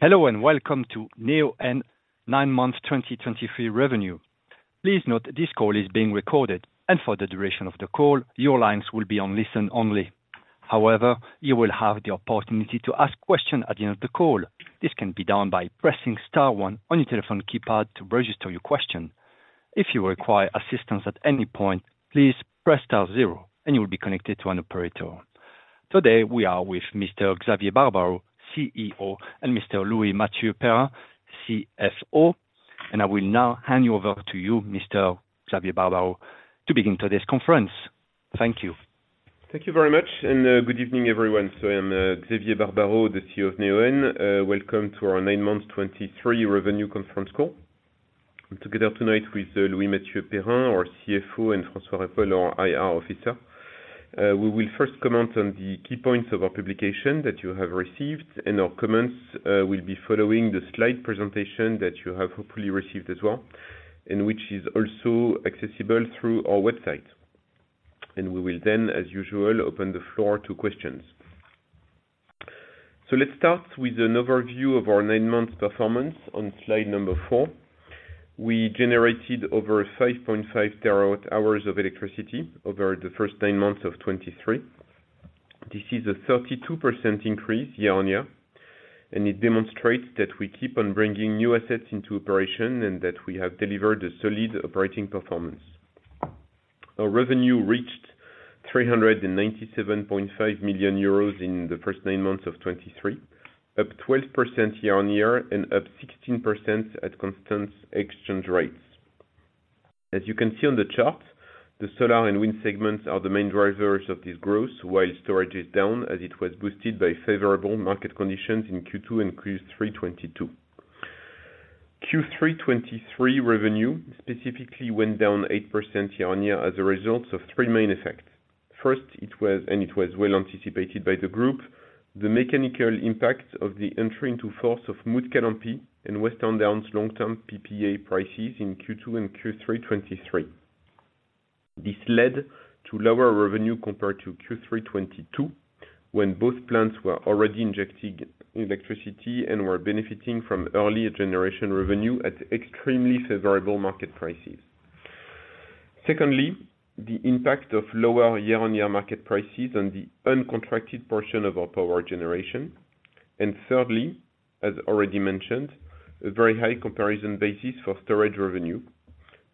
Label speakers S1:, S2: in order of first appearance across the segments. S1: Hello, and welcome to Neoen nine-month 2023 revenue. Please note this call is being recorded, and for the duration of the call, your lines will be on listen-only. However, you will have the opportunity to ask questions at the end of the call. This can be done by pressing star one on your telephone keypad to register your question. If you require assistance at any point, please press star zero, and you will be connected to an operator. Today, we are with Mr. Xavier Barbaro, CEO, and Mr. Louis-Mathieu Perrin, CFO, and I will now hand you over to you, Mr. Xavier Barbaro, to begin today's conference. Thank you.
S2: Thank you very much, and good evening, everyone. I'm Xavier Barbaro, the CEO of Neoen. Welcome to our nine-month 2023 revenue conference call. I'm together tonight with Louis-Mathieu Perrin, our CFO, and François Riepolt, our IR officer. We will first comment on the key points of our publication that you have received, and our comments will be following the slide presentation that you have hopefully received as well, and which is also accessible through our website. We will then, as usual, open the floor to questions. Let's start with an overview of our nine-month performance on slide number four. We generated over 5.5 TWh of electricity over the first nine months of 2023. This is a 32% increase year-on-year, and it demonstrates that we keep on bringing new assets into operation and that we have delivered a solid operating performance. Our revenue reached 397.5 million euros in the first nine months of 2023, up 12% year-on-year and up 16% at constant exchange rates. As you can see on the chart, the solar and wind segments are the main drivers of this growth, while storage is down as it was boosted by favorable market conditions in Q2 and Q3 2022. Q3 2023 revenue specifically went down 8% year-on-year as a result of three main effects. First, it was well anticipated by the group, the mechanical impact of the entry into force of Mutkalampi and Western Downs long-term PPA prices in Q2 and Q3 2023. This led to lower revenue compared to Q3 2022, when both plants were already injecting electricity and were benefiting from early generation revenue at extremely favorable market prices. Secondly, the impact of lower year-on-year market prices on the uncontracted portion of our power generation. And thirdly, as already mentioned, a very high comparison basis for storage revenue.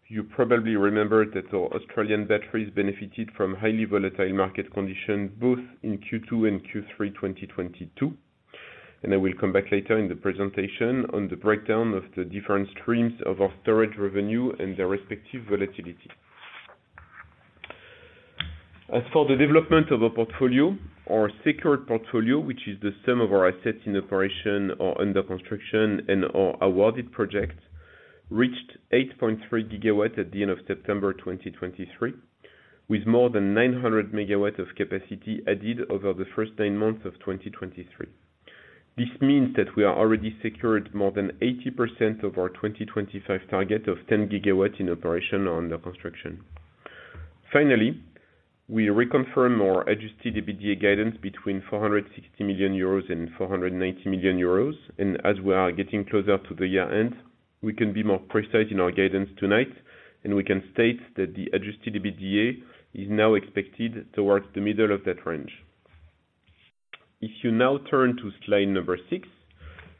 S2: You probably remember that our Australian batteries benefited from highly volatile market conditions, both in Q2 and Q3 2022, and I will come back later in the presentation on the breakdown of the different streams of our storage revenue and their respective volatility. As for the development of a portfolio, our Secured Portfolio, which is the sum of our assets in operation or under construction and/or awarded projects, reached 8.3 GW at the end of September 2023, with more than 900 MW of capacity added over the first nine months of 2023. This means that we are already secured more than 80% of our 2025 target of 10 GW in operation or under construction. Finally, we reconfirm our Adjusted EBITDA guidance between 460 million euros and 490 million euros. As we are getting closer to the year-end, we can be more precise in our guidance tonight, and we can state that the Adjusted EBITDA is now expected towards the middle of that range. If you now turn to slide number six,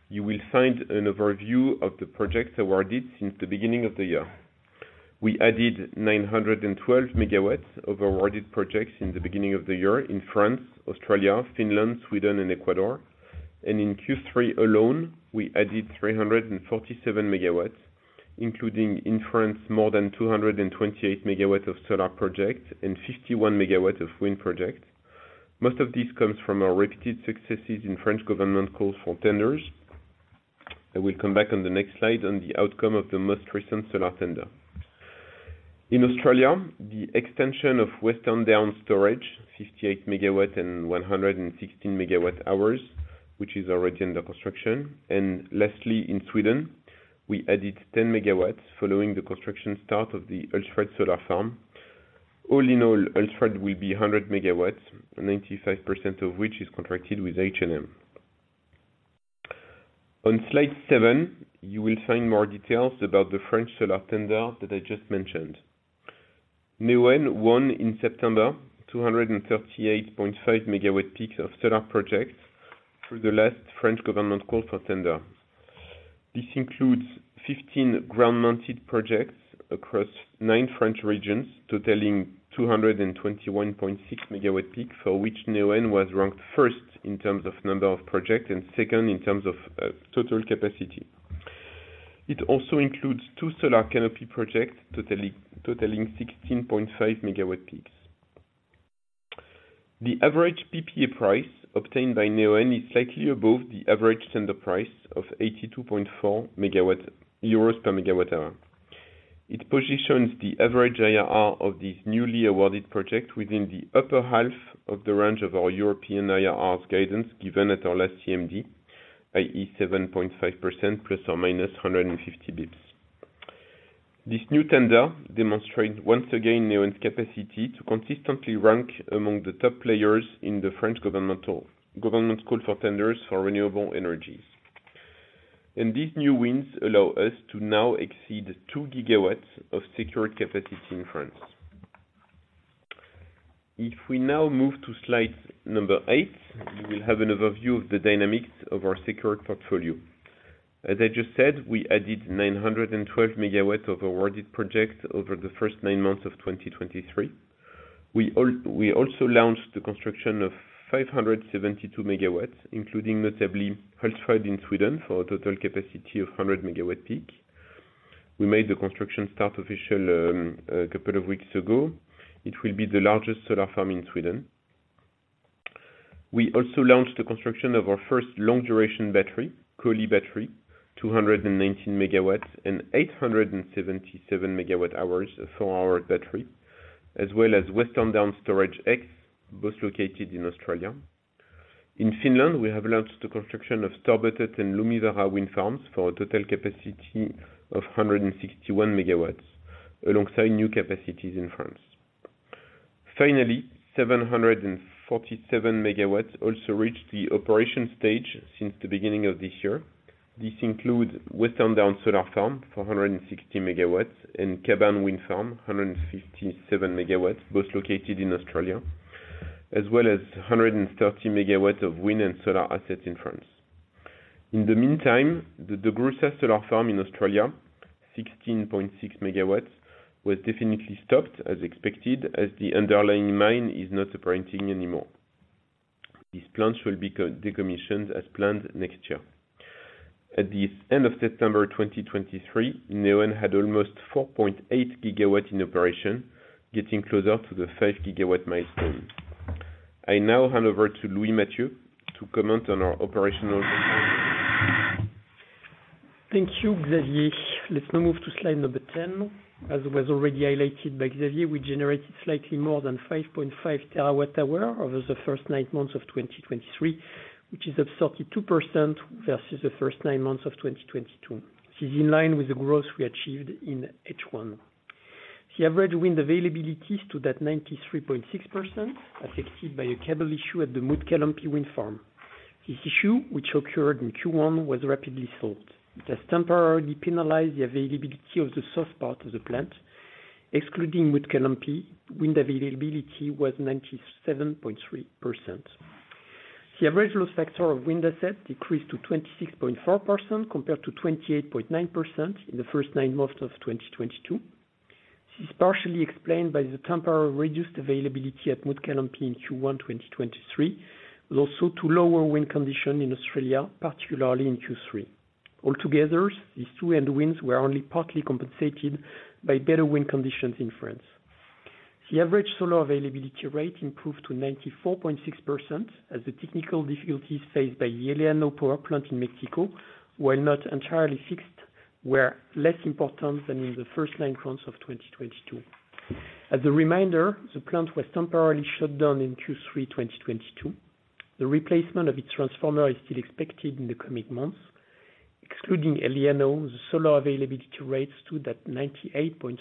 S2: you will find an overview of the projects awarded since the beginning of the year. We added 912 MW of awarded projects in the beginning of the year in France, Australia, Finland, Sweden and Ecuador. In Q3 alone, we added 347 MW, including in France, more than 228 MW of solar projects and 51 MW of wind projects. Most of this comes from our repeated successes in French government calls for tenders. I will come back on the next slide on the outcome of the most recent solar tender. In Australia, the extension of Western Downs Storage, 58 MW and 116 MWh, which is already under construction. Lastly, in Sweden, we added 10 MW following the construction start of the Hultsfred solar farm. All in all, Hultsfred will be 100 MW, 95% of which is contracted with H&M. On slide seven, you will find more details about the French solar tender that I just mentioned. Neoen won in September 238.5 MWp of solar projects through the last French government call for tender. This includes 15 ground-mounted projects across nine French regions, totaling 221.6 MWp, for which Neoen was ranked first in terms of number of projects and second in terms of total capacity. It also includes two solar canopy projects, totaling 16.5 MWp. The average PPA price obtained by Neoen is slightly above the average tender price of 82.4 euros per MWh. It positions the average IRR of these newly awarded projects within the upper half of the range of our European IRRs guidance, given at our last CMD, i.e., 7.5% ±150 basis points. This new tender demonstrates once again, Neoen's capacity to consistently rank among the top players in the French government call for tenders for renewable energies. These new wins allow us to now exceed 2 gigawatts of secured capacity in France. If we now move to slide eight, you will have an overview of the dynamics of our secured portfolio. As I just said, we added 912 MW of awarded projects over the first nine months of 2023. We also launched the construction of 572 MW, including notably, Hultsfred in Sweden, for a total capacity of 100 MWp. We made the construction start official, a couple of weeks ago. It will be the largest solar farm in Sweden. We also launched the construction of our first long duration battery, Collie Battery, 219 MW, and 877 MWh for our battery, as well as Western Downs Storage extension, both located in Australia. In Finland, we have launched the construction of Storbötet and Lumivaara Wind Farms for a total capacity of 161 MW, alongside new capacities in France. Finally, 747 MW also reached the operation stage since the beginning of this year. This includes Western Downs Solar Farm, 460 MW, and Kaban Wind Farm, 157 MW, both located in Australia, as well as 130 MW of wind and solar assets in France. In the meantime, the DeGrussa Solar Farm in Australia, 16.6 MW, was definitely stopped as expected, as the underlying mine is not operating anymore. These plants will be co-decommissioned as planned next year. At the end of September 2023, Neoen had almost 4.8 GW in operation, getting closer to the 5 GW milestone. I now hand over to Louis-Mathieu to comment on our operations.
S3: Thank you, Xavier. Let's now move to slide number 10. As was already highlighted by Xavier, we generated slightly more than 5.5 TWh over the first nine months of 2023, which is up 32% versus the first nine months of 2022. This is in line with the growth we achieved in H1. The average wind availability stood at 93.6%, affected by a cable issue at the Mutkalampi wind farm. This issue, which occurred in Q1, was rapidly solved. It has temporarily penalized the availability of the south part of the plant. Excluding Mutkalampi, wind availability was 97.3%. The average load factor of wind assets decreased to 26.4%, compared to 28.9% in the first nine months of 2022. This is partially explained by the temporary reduced availability at Mutkalampi in Q1 2023, but also to lower wind condition in Australia, particularly in Q3. Altogether, these two headwinds were only partly compensated by better wind conditions in France. The average solar availability rate improved to 94.6%, as the technical difficulties faced by the El Llano power plant in Mexico, while not entirely fixed, were less important than in the first nine months of 2022. As a reminder, the plant was temporarily shut down in Q3 2022. The replacement of its transformer is still expected in the coming months. Excluding El Llano, the solar availability rate stood at 98.4%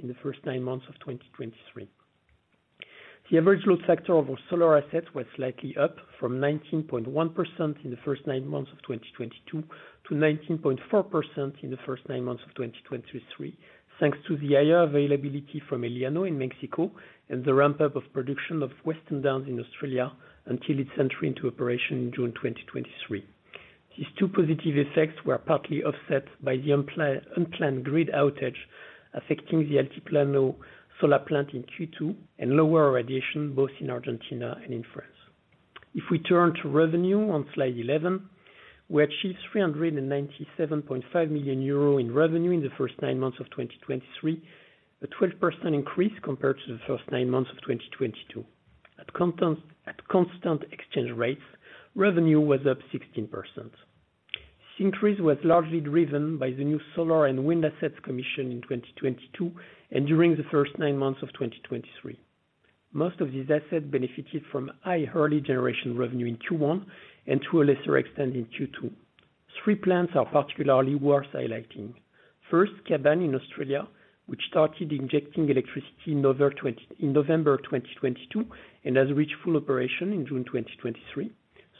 S3: in the first nine months of 2023. The average load factor of our solar assets was slightly up from 19.1% in the first nine months of 2022 to 19.4% in the first nine months of 2023, thanks to the higher availability from El Llano in Mexico, and the ramp up of production of Western Downs in Australia until its entry into operation in June 2023. These two positive effects were partly offset by the unplanned grid outage, affecting the Altiplano solar plant in Q2, and lower radiation, both in Argentina and in France. If we turn to revenue on slide 11, we achieved 397.5 million euro in revenue in the first nine months of 2023, a 12% increase compared to the first nine months of 2022. At constant exchange rates, revenue was up 16%. This increase was largely driven by the new solar and wind assets commissioned in 2022, and during the first nine months of 2023. Most of these assets benefited from high early generation revenue in Q1, and to a lesser extent, in Q2. Three plants are particularly worth highlighting. First, Kaban in Australia, which started injecting electricity in November 2022, and has reached full operation in June 2023.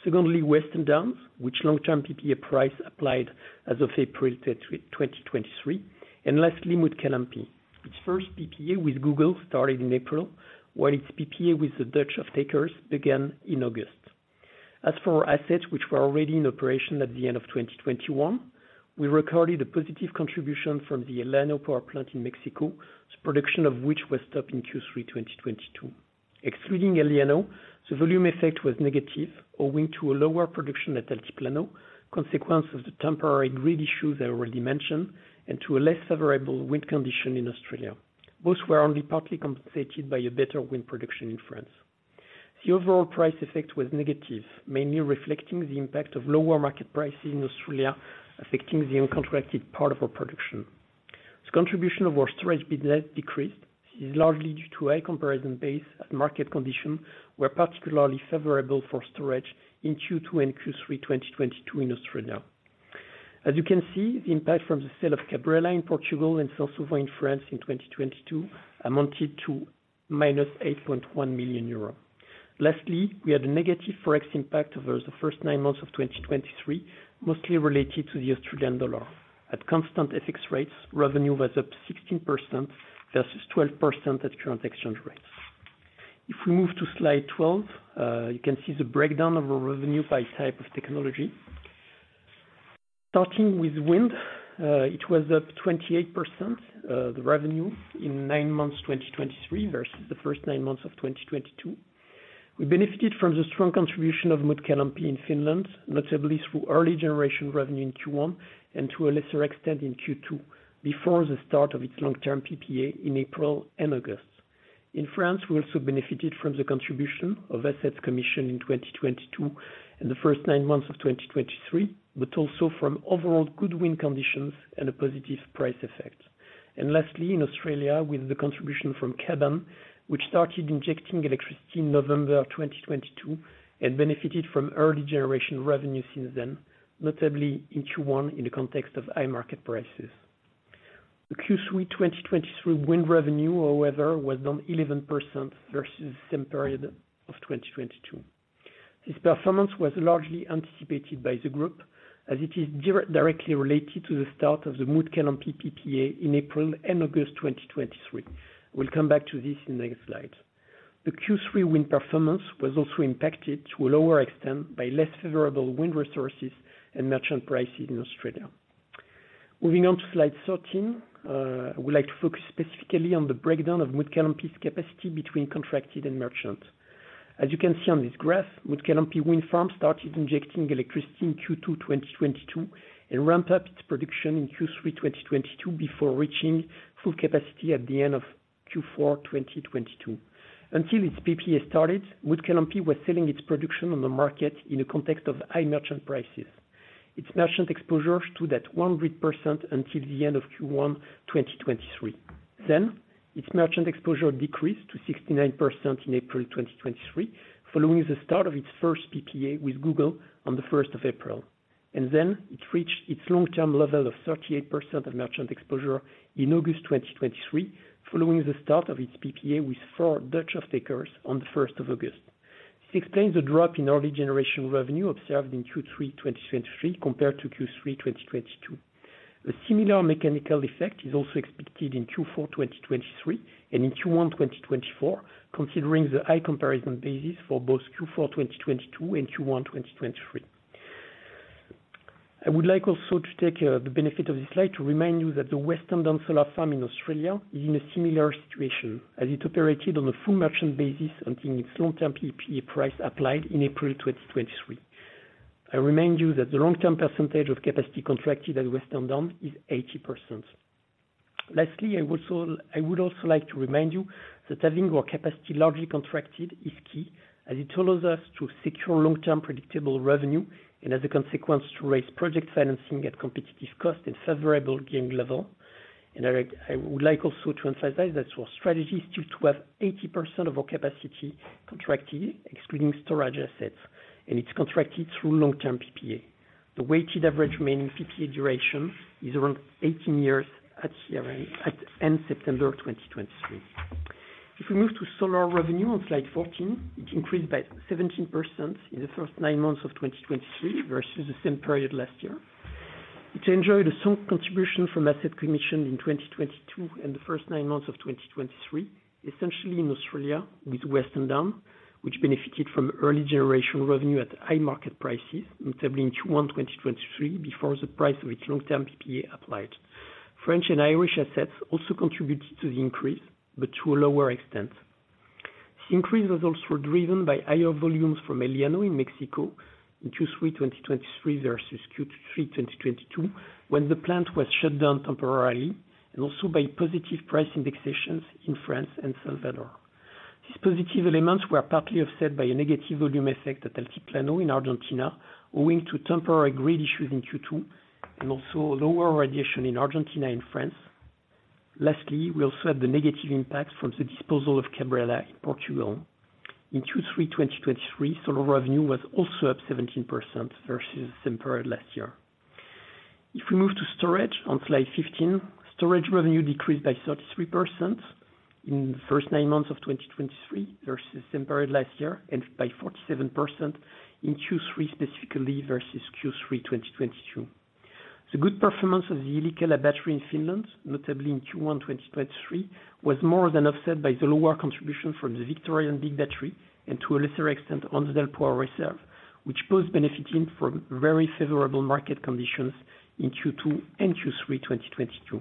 S3: Secondly, Western Downs, which long-term PPA price applied as of April 2023. And lastly, Mutkalampi. Its first PPA with Google started in April, while its PPA with the Dutch off-takers began in August. As for our assets, which were already in operation at the end of 2021, we recorded a positive contribution from the El Llano power plant in Mexico, the production of which was stopped in Q3, 2022. Excluding El Llano, the volume effect was negative, owing to a lower production at Altiplano, consequence of the temporary grid issue that I already mentioned, and to a less favorable wind condition in Australia. Those were only partly compensated by a better wind production in France. The overall price effect was negative, mainly reflecting the impact of lower market prices in Australia, affecting the uncontracted part of our production. The contribution of our storage business decreased. This is largely due to a comparison base, as market conditions were particularly favorable for storage in Q2 and Q3, 2022 in Australia. As you can see, the impact from the sale of Cabrela in Portugal and Saint-Sauveur in France in 2022 amounted to -8.1 million euro. Lastly, we had a negative Forex impact over the first nine months of 2023, mostly related to the Australian dollar. At constant FX rates, revenue was up 16% versus 12% at current exchange rates. If we move to slide 12, you can see the breakdown of our revenue by type of technology. Starting with wind, it was up 28%, the revenue in nine months, 2023, versus the first nine months of 2022. We benefited from the strong contribution of Mutkalampi in Finland, notably through early generation revenue in Q1, and to a lesser extent, in Q2, before the start of its long-term PPA in April and August. In France, we also benefited from the contribution of assets commissioned in 2022 and the first nine months of 2023, but also from overall good wind conditions and a positive price effect. And lastly, in Australia, with the contribution from Kaban, which started injecting electricity in November 2022, and benefited from early generation revenue since then, notably in Q1, in the context of high market prices. The Q3 2023 wind revenue, however, was down 11% versus same period of 2022. This performance was largely anticipated by the group, as it is directly related to the start of the Mutkalampi PPA in April and August 2023. We'll come back to this in the next slide. The Q3 wind performance was also impacted to a lower extent by less favorable wind resources and merchant prices in Australia. Moving on to slide 13, I would like to focus specifically on the breakdown of Mutkalampi's capacity between contracted and merchant. As you can see on this graph, Mutkalampi Wind Farm started injecting electricity in Q2 2022, and ramped up its production in Q3 2022, before reaching full capacity at the end of Q4 2022. Until its PPA started, Mutkalampi was selling its production on the market in a context of high merchant prices. Its merchant exposure stood at 100% until the end of Q1 2023. Then, its merchant exposure decreased to 69% in April 2023, following the start of its first PPA with Google on April 1. Then, it reached its long-term level of 38% of merchant exposure in August 2023, following the start of its PPA with four Dutch off-takers on August 1. This explains the drop in early generation revenue observed in Q3 2023, compared to Q3 2022. A similar mechanical effect is also expected in Q4 2023 and in Q1 2024, considering the high comparison basis for both Q4 2022 and Q1 2023. I would like also to take the benefit of this slide to remind you that the Western Downs Solar Farm in Australia is in a similar situation, as it operated on a full merchant basis until its long-term PPA price applied in April 2023. I remind you that the long-term percentage of capacity contracted at Western Downs is 80%. Lastly, I would also like to remind you that having our capacity largely contracted is key, as it allows us to secure long-term predictable revenue, and as a consequence, to raise project financing at competitive cost and favorable gain level. I would, I would like also to emphasize that our strategy is to have 80% of our capacity contracted, excluding storage assets, and it's contracted through long-term PPA. The weighted average remaining PPA duration is around 18 years at year-end at end-September 2023. If we move to solar revenue on slide 14, it increased by 17% in the first nine months of 2023 versus the same period last year. It enjoyed a strong contribution from asset commissioning in 2022 and the first nine months of 2023, essentially in Australia with Western Downs, which benefited from early generation revenue at high market prices, notably in Q1 2023, before the price of its long-term PPA applied. French and Irish assets also contributed to the increase, but to a lower extent. Increase was also driven by higher volumes from El Llano in Mexico in Q3 2023, versus Q3 2022, when the plant was shut down temporarily, and also by positive price indexations in France and El Salvador. These positive elements were partly offset by a negative volume effect at Altiplano in Argentina, owing to temporary grid issues in Q2, and also lower radiation in Argentina and France. Lastly, we also had the negative impact from the disposal of Cabrela in Portugal. In Q3 2023, solar revenue was also up 17% versus same period last year. If we move to storage on slide 15, storage revenue decreased by 33% in the first nine months of 2023 versus same period last year, and by 47% in Q3, specifically versus Q3 2022. The good performance of the Yllikkälä Power Reserve in Finland, notably in Q1 2023, was more than offset by the lower contribution from the Victorian Big Battery, and to a lesser extent, from the Hornsdale Power Reserve, which both benefiting from very favorable market conditions in Q2 and Q3 2022.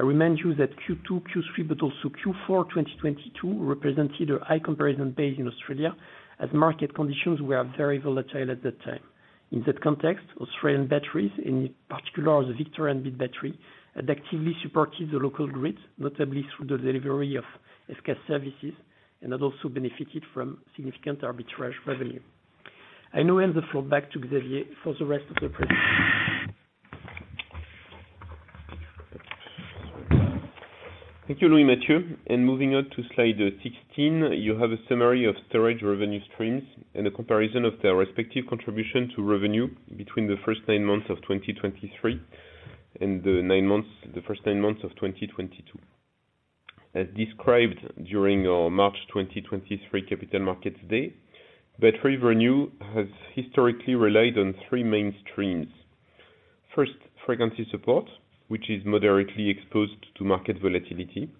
S3: I remind you that Q2, Q3, but also Q4 2022, represented a high comparison base in Australia, as market conditions were very volatile at that time. In that context, Australian batteries, in particular, the Victorian Big Battery, had actively supported the local grid, notably through the delivery of FCAS services, and had also benefited from significant arbitrage revenue. I now hand the floor back to Xavier for the rest of the presentation.
S2: Thank you, Louis-Mathieu. Moving on to slide 16, you have a summary of storage revenue streams and a comparison of their respective contribution to revenue between the first nine months of 2023 and the first nine months of 2022. As described during our March 2023 Capital Markets Day, battery revenue has historically relied on three main streams. First, frequency support, which is moderately exposed to market volatility.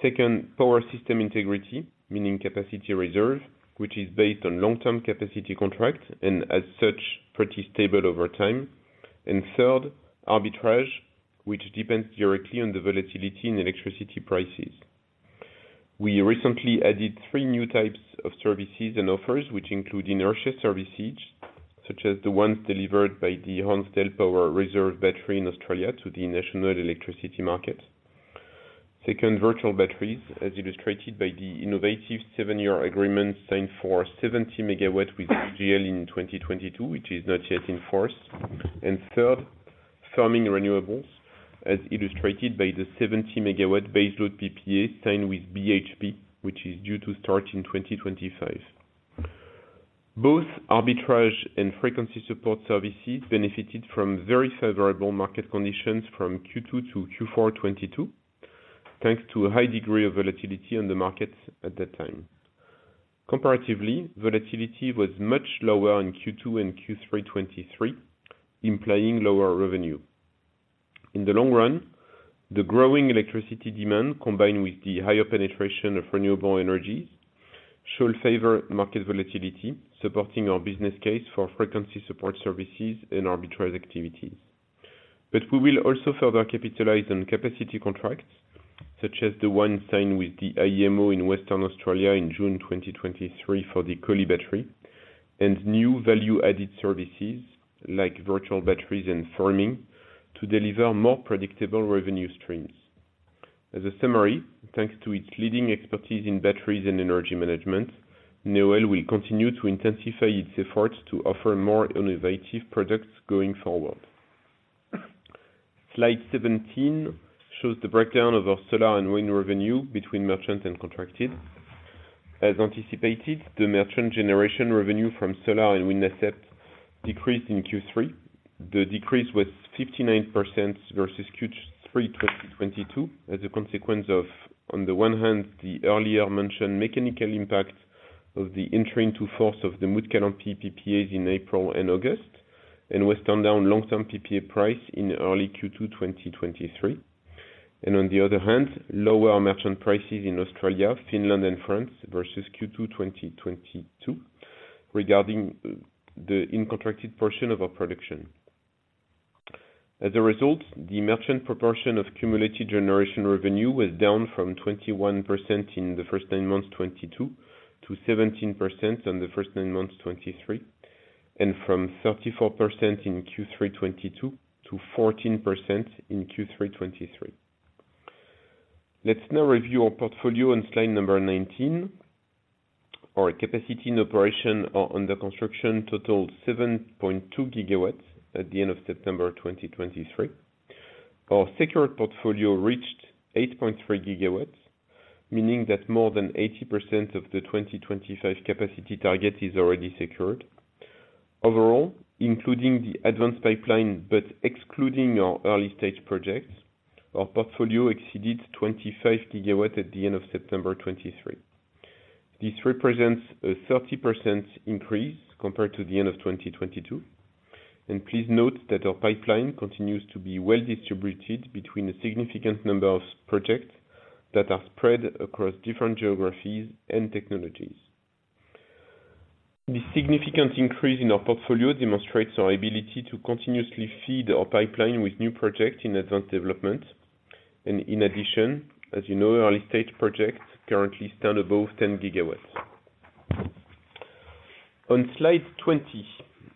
S2: Second, power system integrity, meaning capacity reserve, which is based on long-term capacity contracts, and as such, pretty stable over time. Third, arbitrage, which depends directly on the volatility in electricity prices. We recently added three new types of services and offers, which include inertia services, such as the ones delivered by the Hornsdale Power Reserve battery in Australia to the National Electricity Market. Second, virtual batteries, as illustrated by the innovative 7-year agreement signed for 70 MW with AGL in 2022, which is not yet in force. And third, farm-down renewables, as illustrated by the 70-MW baseload PPA signed with BHP, which is due to start in 2025. Both arbitrage and frequency support services benefited from very favorable market conditions from Q2-Q4 2022, thanks to a high degree of volatility in the markets at that time. Comparatively, volatility was much lower in Q2 and Q3 2023, implying lower revenue. In the long run, the growing electricity demand, combined with the higher penetration of renewable energies, should favor market volatility, supporting our business case for frequency support services and arbitrage activities. But we will also further capitalize on capacity contracts, such as the one signed with the AEMO in Western Australia in June 2023 for the Collie Battery, and new value-added services, like virtual batteries and farming, to deliver more predictable revenue streams. As a summary, thanks to its leading expertise in batteries and energy management, Neoen will continue to intensify its efforts to offer more innovative products going forward. Slide 17 shows the breakdown of our solar and wind revenue between merchant and contracted. As anticipated, the merchant generation revenue from solar and wind assets decreased in Q3. The decrease was 59% versus Q3 2022, as a consequence of, on the one hand, the earlier-mentioned merchant impact of the entry into force of the Mutkalampi PPAs in April and August, and Western Downs long-term PPA price in early Q2 2023. On the other hand, lower merchant prices in Australia, Finland, and France versus Q2 2022, regarding the uncontracted portion of our production. As a result, the merchant proportion of cumulative generation revenue was down from 21% in the first nine months 2022 to 17% in the first nine months 2023, and from 34% in Q3 2022 to 14% in Q3 2023. Let's now review our portfolio on slide 19. Our capacity in operation and under construction total 7.2 GW at the end of September 2023. Our secured portfolio reached 8.3 GW, meaning that more than 80% of the 2025 capacity target is already secured. Overall, including the advanced pipeline, but excluding our early-stage projects, our portfolio exceeded 25 GW at the end of September 2023. This represents a 30% increase compared to the end of 2022. Please note that our pipeline continues to be well distributed between a significant number of projects that are spread across different geographies and technologies. This significant increase in our portfolio demonstrates our ability to continuously feed our pipeline with new projects in advanced development. In addition, as you know, our early-stage projects currently stand above 10 gigawatts. On Slide 20,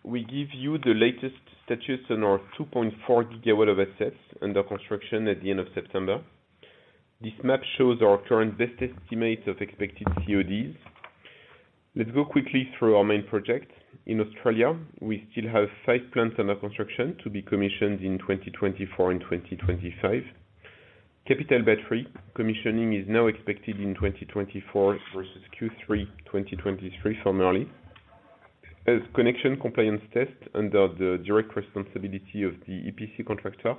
S2: we give you the latest status on our 2.4 gigawatts of assets under construction at the end of September. This map shows our current best estimate of expected CODs. Let's go quickly through our main projects. In Australia, we still have five plants under construction to be commissioned in 2024 and 2025. Capital Battery commissioning is now expected in 2024 versus Q3 2023 formerly, as connection compliance tests under the direct responsibility of the EPC contractor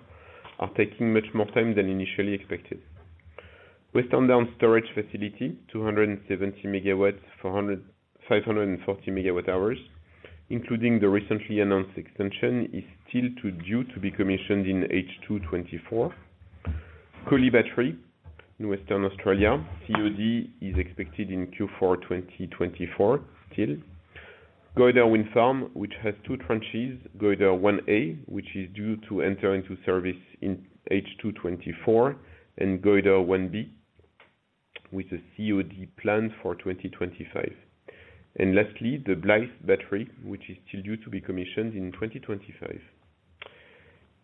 S2: are taking much more time than initially expected. Western Downs Storage facility, 270 MW, 400-540 MWh, including the recently announced extension, is still due to be commissioned in H2 2024. Collie Battery in Western Australia, COD is expected in Q4 2024, still. Goyder Wind Farm, which has two tranches, Goyder 1A, which is due to enter into service in H2 2024, and Goyder 1B, with a COD planned for 2025. Lastly, the Blyth Battery, which is still due to be commissioned in 2025.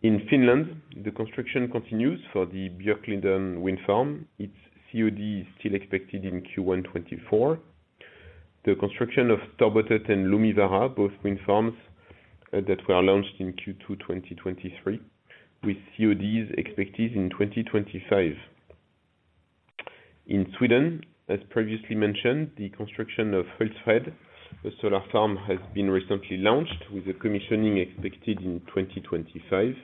S2: In Finland, the construction continues for the Björkliden Wind Farm. Its COD is still expected in Q1 2024. The construction of Storbötet and Lumivaara, both wind farms, that were launched in Q2 2023, with CODs expected in 2025. In Sweden, as previously mentioned, the construction of Hultsfred, a solar farm, has been recently launched, with the commissioning expected in 2025.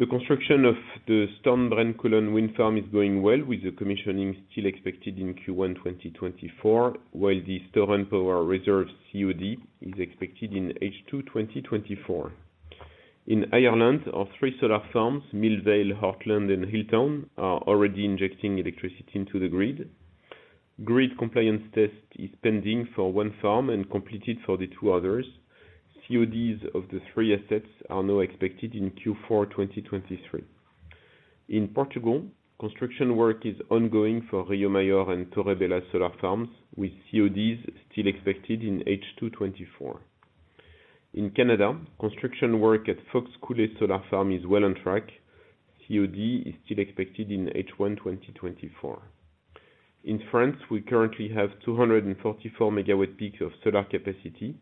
S2: The construction of the Storbrännkullen wind farm is going well, with the commissioning still expected in Q1 2024, while the Storen Power Reserve COD is expected in H2 2024. In Ireland, our three solar farms, Millvale, Hortland, and Hilltown, are already injecting electricity into the grid. Grid compliance test is pending for one farm and completed for the two others. CODs of the three assets are now expected in Q4 2023. In Portugal, construction work is ongoing for Rio Maior and Torre Bela solar farms, with CODs still expected in H2 2024. In Canada, construction work at Fox Coulee Solar Farm is well on track. COD is still expected in H1 2024. In France, we currently have 244 MWp of solar capacity,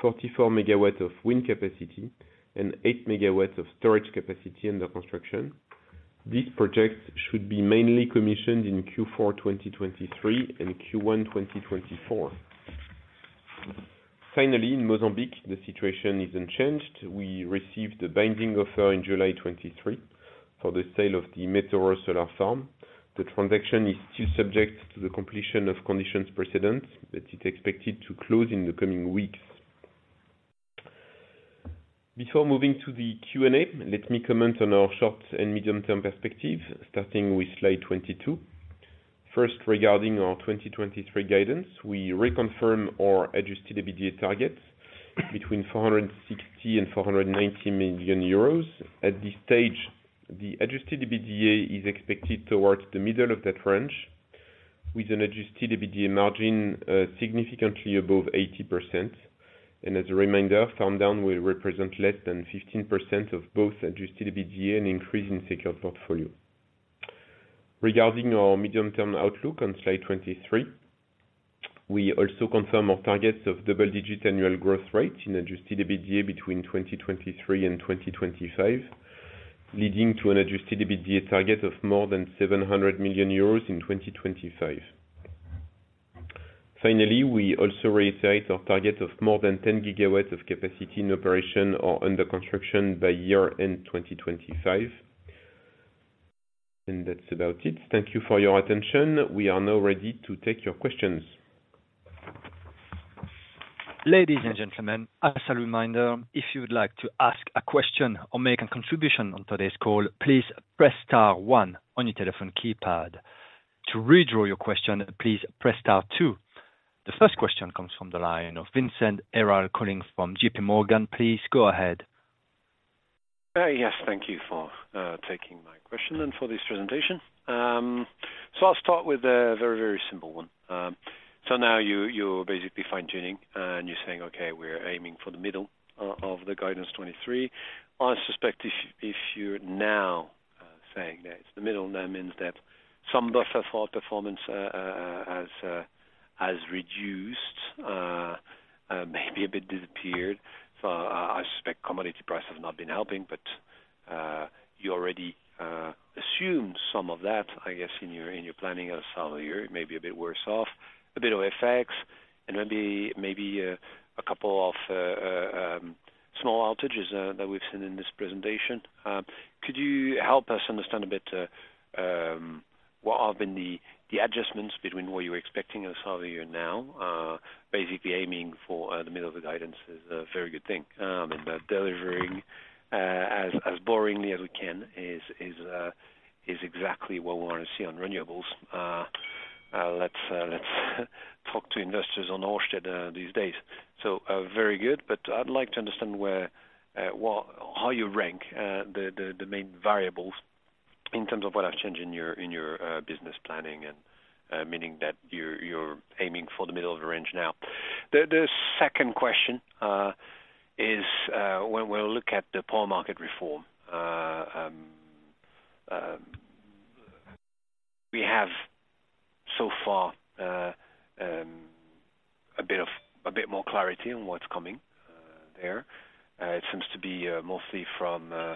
S2: 44 MW of wind capacity, and 8 MW of storage capacity under construction. These projects should be mainly commissioned in Q4 2023 and Q1 2024. Finally, in Mozambique, the situation is unchanged. We received a binding offer in July 2023 for the sale of the Metoro Solar Farm. The transaction is still subject to the completion of conditions precedent, but it's expected to close in the coming weeks. Before moving to the Q&A, let me comment on our short and medium-term perspective, starting with slide 22. First, regarding our 2023 guidance, we reconfirm our adjusted EBITDA targets between 460 million and 490 million euros. At this stage, the adjusted EBITDA is expected towards the middle of that range, with an adjusted EBITDA margin significantly above 80%. And as a reminder, farm down will represent less than 15% of both adjusted EBITDA and increase in secured portfolio. Regarding our medium-term outlook on Slide 23, we also confirm our targets of double-digit annual growth rate in adjusted EBITDA between 2023 and 2025, leading to an adjusted EBITDA target of more than 700 million euros in 2025. Finally, we also reiterate our target of more than 10 GW of capacity in operation or under construction by year-end 2025. And that's about it. Thank you for your attention. We are now ready to take your questions.
S1: Ladies and gentlemen, as a reminder, if you would like to ask a question or make a contribution on today's call, please press star one on your telephone keypad. To withdraw your question, please press star two. The first question comes from the line of Vincent Ayral, calling from JPMorgan. Please go ahead.
S4: Yes, thank you for taking my question and for this presentation. So I'll start with a very, very simple one. So now you, you're basically fine-tuning, and you're saying, "Okay, we're aiming for the middle of the guidance 2023." I suspect if, if you're now, saying that it's the middle, that means that some buffer for performance, has, has reduced, maybe a bit disappeared. So I, I suspect commodity price has not been helping, but, you already, assumed some of that, I guess, in your, in your planning at some of the year. It may be a bit worse off, a bit of effects and maybe, maybe, a couple of, small outages, that we've seen in this presentation. Could you help us understand a bit what have been the adjustments between what you were expecting at the start of the year and now? Basically aiming for the middle of the guidance is a very good thing, and delivering as boringly as we can is exactly what we wanna see on renewables. Let's talk to investors on Ørsted these days. So, very good, but I'd like to understand where what. How you rank the main variables in terms of what has changed in your business planning and meaning that you're aiming for the middle of the range now. The second question is when we look at the power market reform, we have so far a bit more clarity on what's coming there. It seems to be mostly from the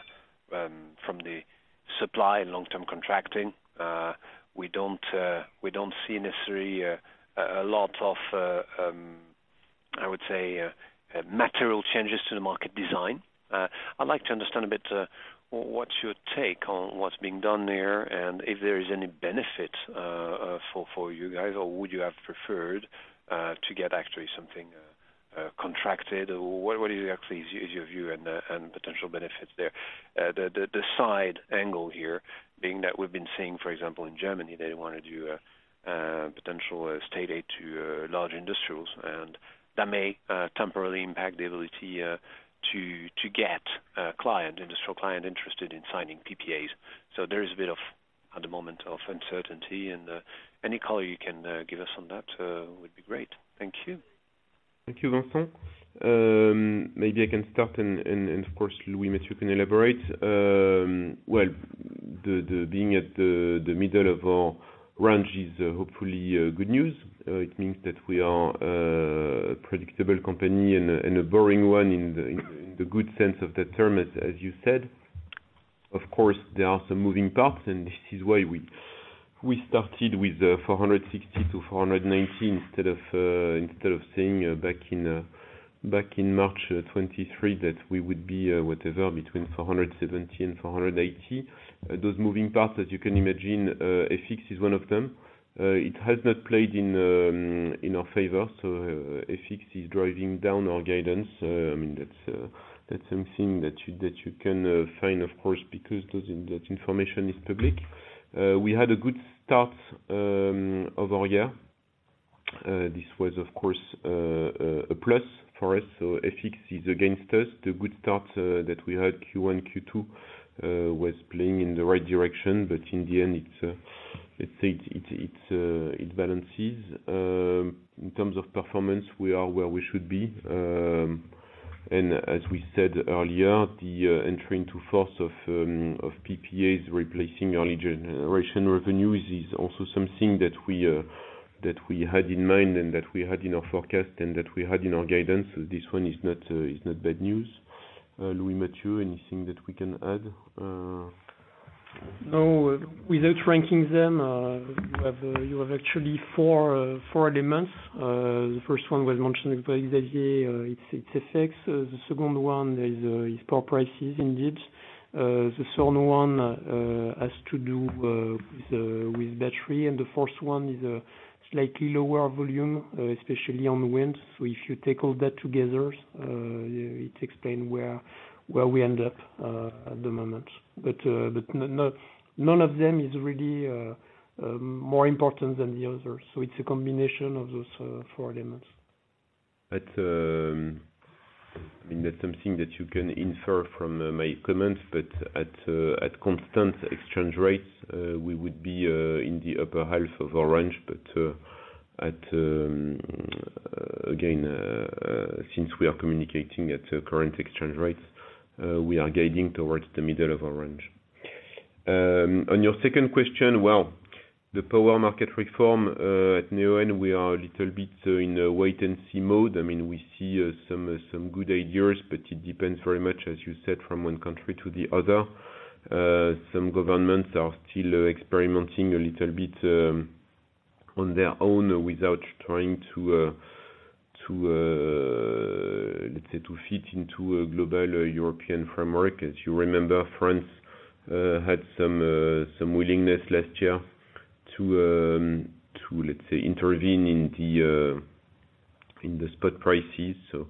S4: supply and long-term contracting. We don't see necessarily a lot of, I would say, material changes to the market design. I'd like to understand a bit what's your take on what's being done there, and if there is any benefit for you guys, or would you have preferred to get actually something contracted? Or what actually is your view and potential benefits there? The side angle here being that we've been seeing, for example, in Germany, they wanna do potential state aid to large industrials, and that may temporarily impact the ability to get a client, industrial client interested in signing PPAs. So there is a bit of uncertainty at the moment, and any color you can give us on that would be great. Thank you.
S2: .Thank you, Vincent. Maybe I can start, and of course, Louis-Mathieu can elaborate. Well, being at the middle of our range is hopefully good news. It means that we are a predictable company and a boring one in the good sense of the term, as you said. Of course, there are some moving parts, and this is why we started with 460 million-490 million, instead of saying back in March 2023 that we would be whatever between 470 million-480 million. Those moving parts, as you can imagine, FX is one of them. It has not played in our favor, so FX is driving down our guidance. I mean, that's something that you can find, of course, because that information is public. We had a good start of our year. This was, of course, a plus for us, so FX is against us. The good start that we had Q1, Q2 was playing in the right direction, but in the end, it let's say, it balances. In terms of performance, we are where we should be. As we said earlier, the entering to force of PPAs replacing early generation revenues is also something that we had in mind, and that we had in our forecast, and that we had in our guidance. So this one is not bad news. Louis-Mathieu, anything that we can add?
S3: No, without ranking them, you have, you have actually four, four elements. The first one was mentioned by Xavier, it's, it's FX. The second one is, is power prices, indeed. The third one, has to do, with, with battery, and the fourth one is a slightly lower volume, especially on the wind. So if you take all that together, it explain where, where we end up, at the moment. But, but no, none of them is really, more important than the other, so it's a combination of those, four elements.
S2: But, I mean, that's something that you can infer from my comments, but at constant exchange rates, we would be in the upper half of our range. But, again, since we are communicating at current exchange rates, we are guiding towards the middle of our range. On your second question, well, the power market reform, at Neoen, we are a little bit in a wait-and-see mode. I mean, we see some good ideas, but it depends very much, as you said, from one country to the other. Some governments are still experimenting a little bit on their own without trying to, let's say, to fit into a global European framework. As you remember, France had some willingness last year to, let's say, intervene in the spot prices. So,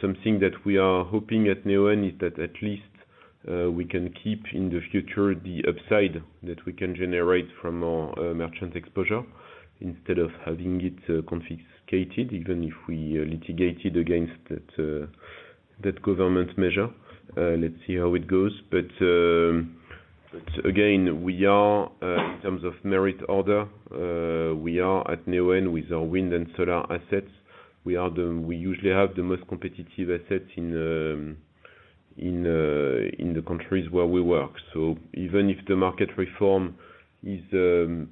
S2: something that we are hoping at Neoen is that at least we can keep, in the future, the upside that we can generate from our merchant exposure instead of having it confiscated, even if we litigated against that government measure. Let's see how it goes. But again, we are, in terms of merit order, we are at Neoen with our wind and solar assets. We usually have the most competitive assets in the countries where we work. So even if the market reform is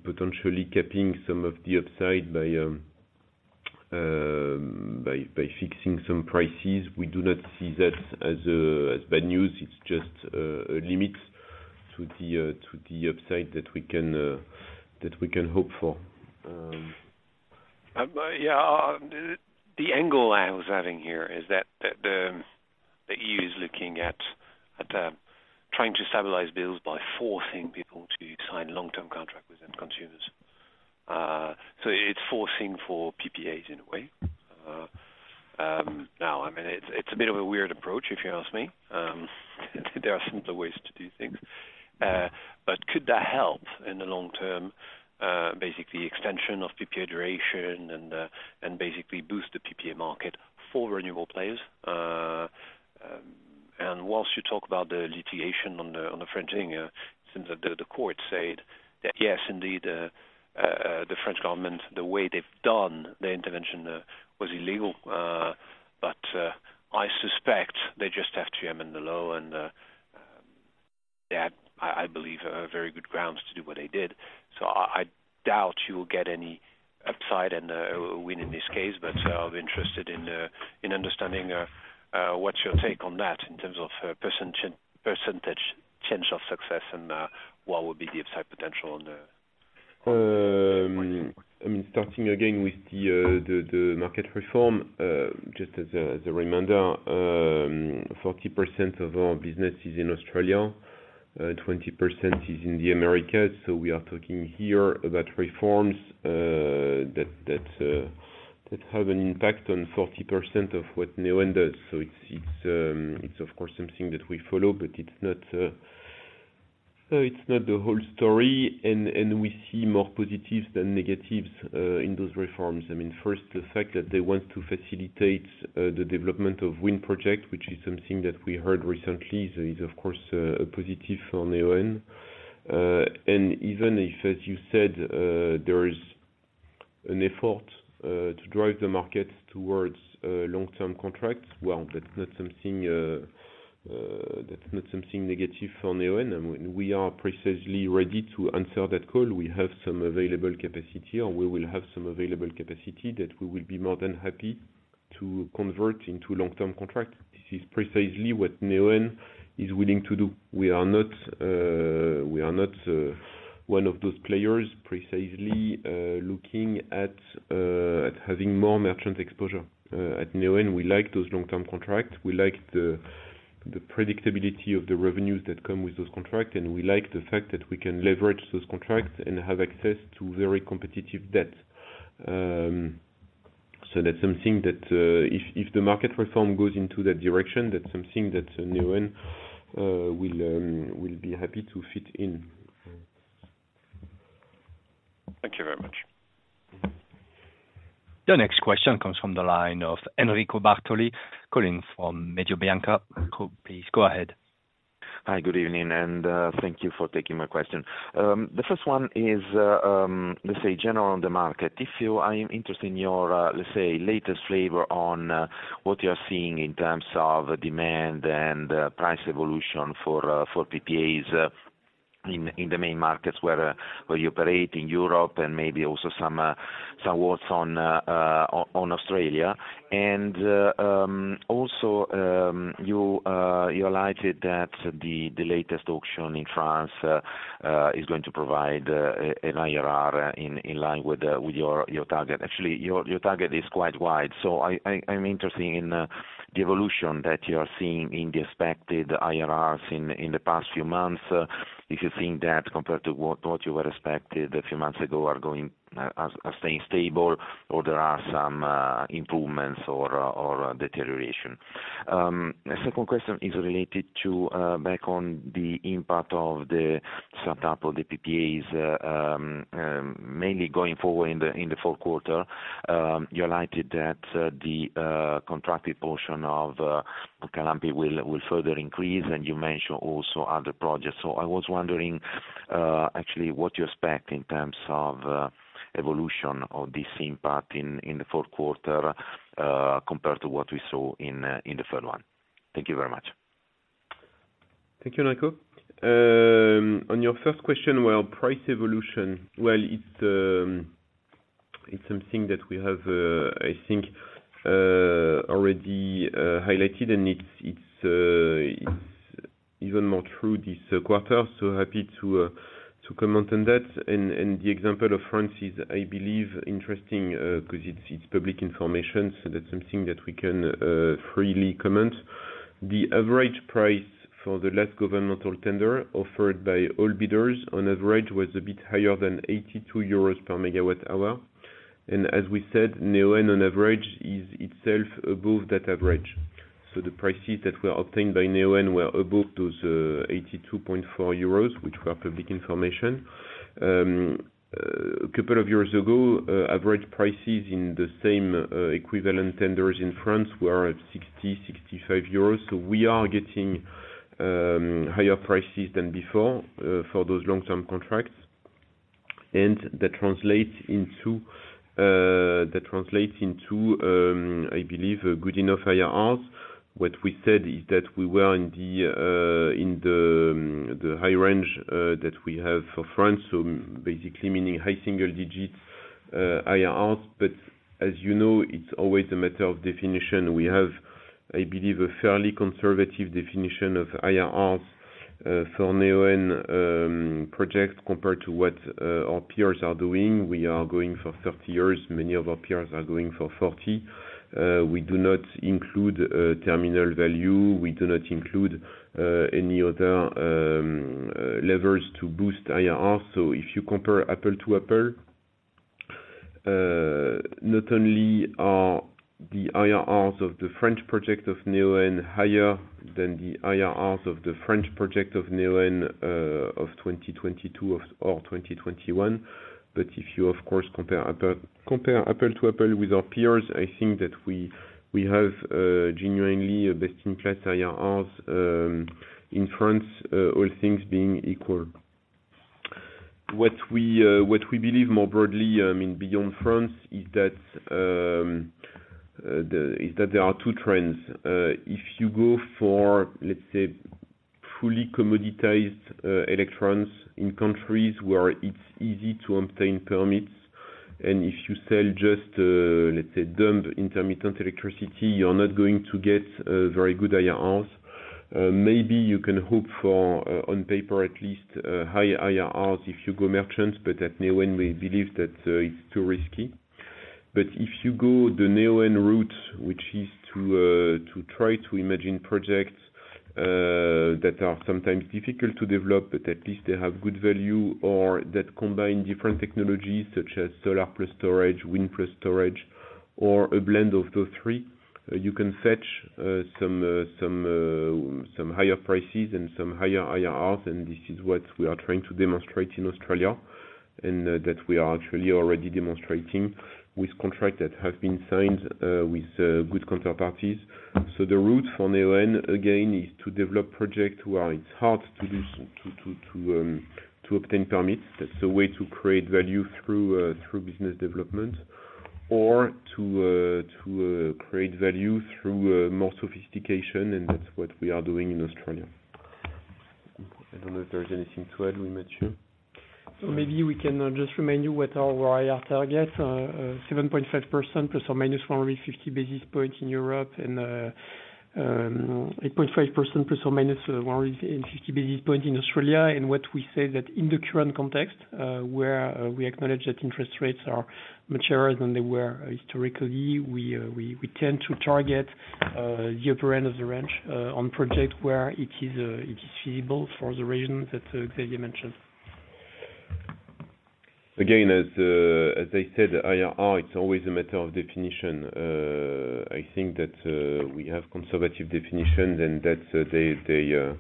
S2: potentially capping some of the upside by fixing some prices, we do not see that as bad news. It's just a limit to the upside that we can hope for.
S4: Yeah, the angle I was adding here is that the EU is looking at trying to stabilize bills by forcing people to sign long-term contract with end consumers. So it's forcing for PPAs in a way. Now, I mean, it's a bit of a weird approach if you ask me. There are simpler ways to do things. But could that help in the long term, basically extension of PPA duration and basically boost the PPA market for renewable players? And whilst you talk about the litigation on the French thing, since the court said that, yes, indeed, the French government, the way they've done the intervention, was illegal. But, I suspect they just have to amend the law, and, they had, I, I believe, very good grounds to do what they did. So I, I doubt you will get any upside and, win in this case, but, I'll be interested in, in understanding, what's your take on that in terms of, percent ch- percentage chance of success, and, what would be the upside potential on the.
S2: I mean, starting again with the market reform, just as a reminder, 40% of our business is in Australia, 20% is in the Americas, so we are talking here about reforms that have an impact on 40% of what Neoen does. So it's of course something that we follow, but it's not the whole story, and we see more positives than negatives in those reforms. I mean, first, the fact that they want to facilitate the development of wind project, which is something that we heard recently, is of course a positive for Neoen. And even if, as you said, there is an effort to drive the market towards long-term contracts, well, that's not something, that's not something negative for Neoen. And when we are precisely ready to answer that call, we have some available capacity, or we will have some available capacity that we will be more than happy to convert into long-term contract. This is precisely what Neoen is willing to do. We are not, we are not, one of those players precisely, looking at, at having more merchant exposure. At Neoen, we like those long-term contracts. We like the predictability of the revenues that come with those contracts, and we like the fact that we can leverage those contracts and have access to very competitive debt. So that's something that, if the market reform goes into that direction, that's something that Neoen will be happy to fit in.
S4: Thank you very much.
S1: The next question comes from the line of Enrico Bartoli calling from Mediobanca. Enrico, please go ahead.
S5: Hi, good evening, and thank you for taking my question. The first one is, let's say, general on the market. I am interested in your, let's say, latest flavor on what you are seeing in terms of demand and price evolution for PPAs in the main markets where you operate in Europe and maybe also some words on Australia. And also, you highlighted that the latest auction in France is going to provide an IRR in line with your target. Actually, your target is quite wide, so I'm interested in the evolution that you are seeing in the expected IRRs in the past few months. If you're seeing that compared to what you were expected a few months ago, are going, are staying stable, or there are some improvements or deterioration. The second question is related to back on the impact of the startup of the PPAs, mainly going forward in the fourth quarter. You highlighted that the contracted portion of Mutkalampi will further increase, and you mentioned also other projects. So I was wondering, actually, what you expect in terms of evolution of this impact in the fourth quarter, compared to what we saw in the third one. Thank you very much.
S2: Thank you, Enrico. On your first question, well, price evolution, well, it's something that we have, I think, already highlighted, and it's even more true this quarter, so happy to comment on that. The example of France is, I believe, interesting, 'cause it's public information, so that's something that we can freely comment. The average price for the last governmental tender offered by all bidders on average was a bit higher than 82 euros per MWh. As we said, Neoen on average is itself above that average. So the prices that were obtained by Neoen were above those 82.4 euros, which were public information. A couple of years ago, average prices in the same equivalent tenders in France were at 60-65 euros. So we are getting higher prices than before for those long-term contracts. And that translates into, I believe, a good enough IRRs. What we said is that we were in the high range that we have for France, so basically meaning high single digits IRRs. But as you know, it's always a matter of definition. We have, I believe, a fairly conservative definition of IRRs for Neoen projects compared to what our peers are doing. We are going for 30 years. Many of our peers are going for 40. We do not include terminal value. We do not include any other levers to boost IRRs. So if you compare apple to apple, not only are the IRRs of the French project of Neoen higher than the IRRs of the French project of Neoen of 2022 or 2021, but if you of course compare apple to apple with our peers, I think that we have genuinely a best-in-class IRRs in France, all things being equal. What we believe more broadly in beyond France is that there are two trends. If you go for, let's say, fully commoditized electrons in countries where it's easy to obtain permits, and if you sell just, let's say, dumb intermittent electricity, you're not going to get a very good IRRs. Maybe you can hope for, on paper at least, high IRRs if you go merchant, but at Neoen, we believe that it's too risky. But if you go the Neoen route, which is to try to imagine projects that are sometimes difficult to develop, but at least they have good value, or that combine different technologies, such as solar plus storage, wind plus storage, or a blend of those three, you can fetch some higher prices and some higher IRRs, and this is what we are trying to demonstrate in Australia. And that we are actually already demonstrating with contract that have been signed with good counterparties. So the route for Neoen, again, is to develop projects where it's hard to do so to obtain permits. That's the way to create value through business development or to create value through more sophistication, and that's what we are doing in Australia. I don't know if there is anything to add, Louis-Mathieu?
S3: So maybe we can just remind you what our IR target 7.5% ±150 basis points in Europe, and 8.5% ±150 basis points in Australia. And what we say that in the current context, where we acknowledge that interest rates are much higher than they were historically, we tend to target the upper end of the range on project where it is feasible for the reasons that Xavier mentioned.
S2: Again, as I said, IRR, it's always a matter of definition. I think that we have conservative definitions, and that's the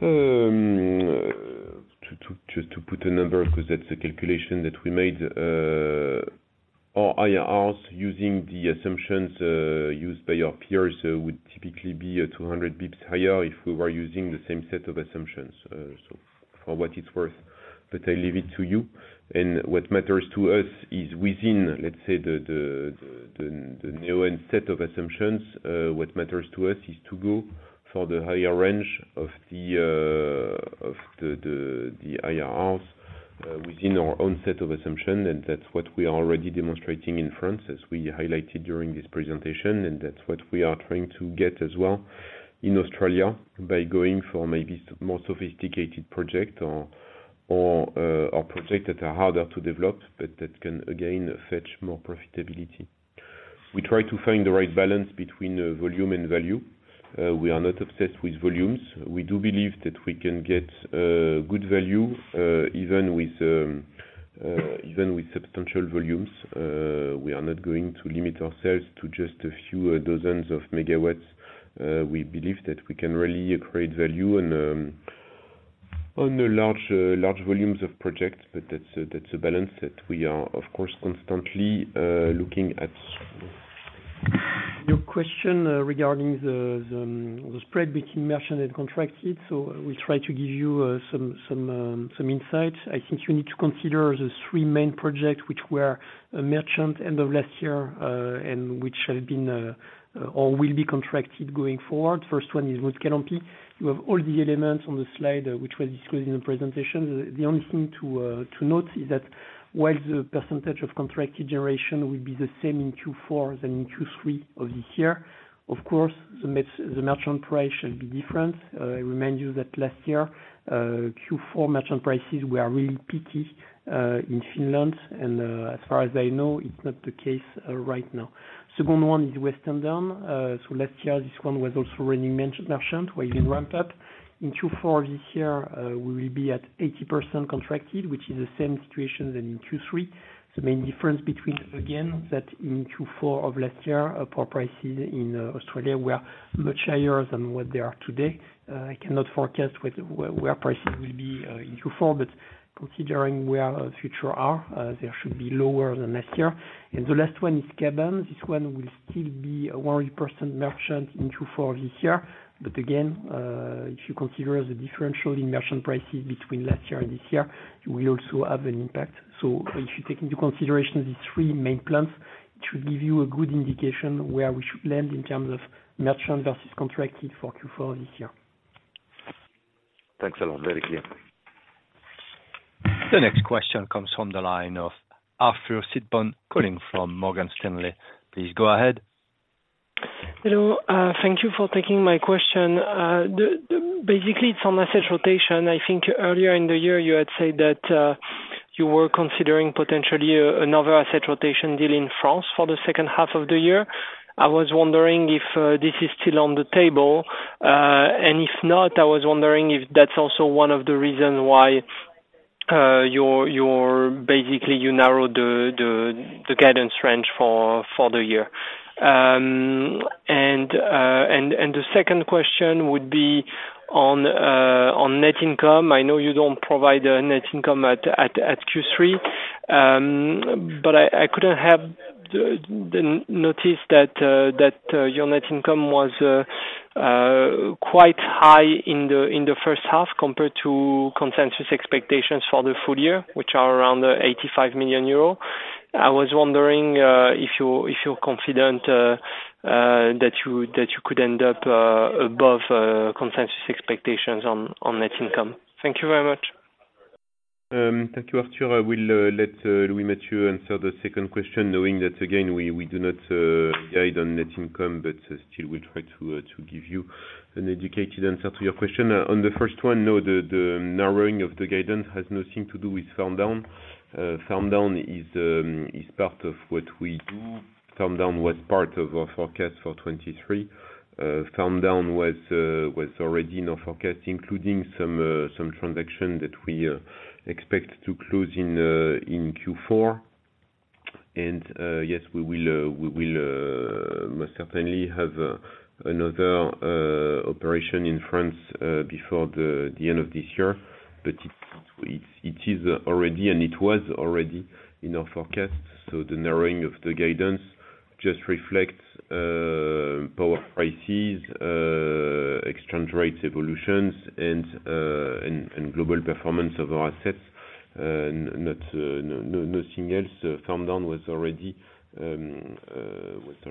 S2: to put a number, 'cause that's a calculation that we made, our IRRs using the assumptions used by our peers, would typically be 200 basis points higher if we were using the same set of assumptions. So for what it's worth, but I leave it to you. And what matters to us is within, let's say, the new set of assumptions, what matters to us is to go for the higher range of the IRRs, within our own set of assumption, and that's what we are already demonstrating in France, as we highlighted during this presentation. That's what we are trying to get as well in Australia by going for maybe more sophisticated project or a project that are harder to develop, but that can again fetch more profitability. We try to find the right balance between volume and value. We are not obsessed with volumes. We do believe that we can get good value even with substantial volumes. We are not going to limit ourselves to just a few dozens of megawatts. We believe that we can really create value on the large volumes of projects, but that's a balance that we are, of course, constantly looking at.
S3: Your question regarding the spread between merchant and contracted, so we try to give you some insight. I think you need to consider the three main projects which were merchant end of last year, and which have been or will be contracted going forward. First one is with Mutkalampi. You have all the elements on the slide, which were discussed in the presentation. The only thing to note is that while the percentage of contracted generation will be the same in Q4 than in Q3 of this year, of course, the merchant price should be different. I remind you that last year Q4 merchant prices were really peaked in Finland, and as far as I know, it's not the case right now. Second one is Western Downs. So last year, this one was also really merchant, where you ramp up. In Q4 this year, we will be at 80% contracted, which is the same situation than in Q3. The main difference between, again, that in Q4 of last year, power prices in Australia were much higher than what they are today. I cannot forecast what prices will be in Q4, but considering where our futures are, there should be lower than last year. And the last one is Kaban. This one will still be 100% merchant in Q4 this year. But again, if you consider the differential in merchant prices between last year and this year, you will also have an impact. If you take into consideration the three main plants, it should give you a good indication where we should land in terms of merchant versus contracted for Q4 this year.
S5: Thanks a lot. Very clear.
S1: The next question comes from the line of Arthur Sitbon calling from Morgan Stanley. Please go ahead.
S6: Hello, thank you for taking my question. Basically it's on asset rotation. I think earlier in the year, you had said that you were considering potentially another asset rotation deal in France for the second half of the year. I was wondering if this is still on the table? And if not, I was wondering if that's also one of the reasons why basically you narrowed the guidance range for the year. And the second question would be on net income. I know you don't provide a net income at Q3, but I couldn't have the notice that your net income was quite high in the first half compared to consensus expectations for the full year, which are around 85 million euros. I was wondering if you're confident that you could end up above consensus expectations on net income? Thank you very much.
S2: Thank you, Arthur. I will let Louis-Mathieu answer the second question, knowing that again, we do not guide on net income, but still we try to give you an educated answer to your question. On the first one, no, the narrowing of the guidance has nothing to do with farm down. Farm down is part of what we do. Farm down was part of our forecast for 2023. Farm down was already in our forecast, including some transaction that we expect to close in Q4. And yes, we will most certainly have another operation in France before the end of this year. But it is already, and it was already in our forecast, so the narrowing of the guidance just reflects power prices, exchange rates, evolutions, and global performance of our assets, and not nothing else. So farm down was already, let's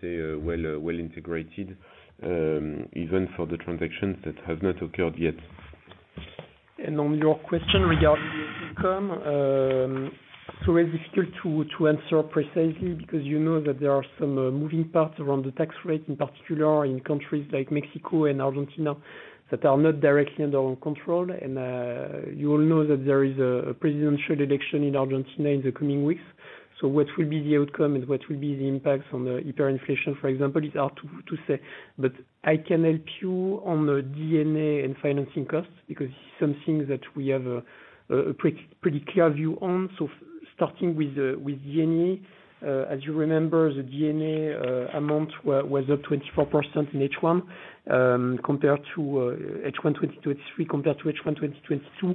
S2: say, well integrated, even for the transactions that have not occurred yet.
S3: On your question regarding the outcome, so it's difficult to answer precisely, because you know that there are some moving parts around the tax rate, in particular, in countries like Mexico and Argentina, that are not directly under our control. You all know that there is a presidential election in Argentina in the coming weeks. So what will be the outcome, and what will be the impacts on the hyperinflation, for example, is hard to say. But I can help you on the D&A and financing costs, because it's something that we have a pretty clear view on. So starting with D&A, as you remember, the D&A amount was up 24% in H1 compared to H1 2023, compared to H1 2022.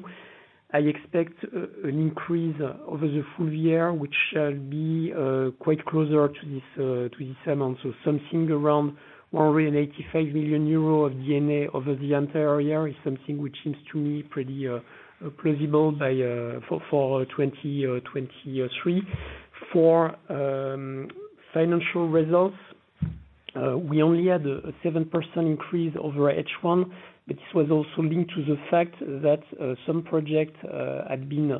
S3: I expect an increase over the full year, which shall be quite closer to this amount. So something around 185 million euro of D&A over the entire year is something which seems to me pretty plausible for 2023. For financial results, we only had a 7% increase over H1, but this was also linked to the fact that some projects had been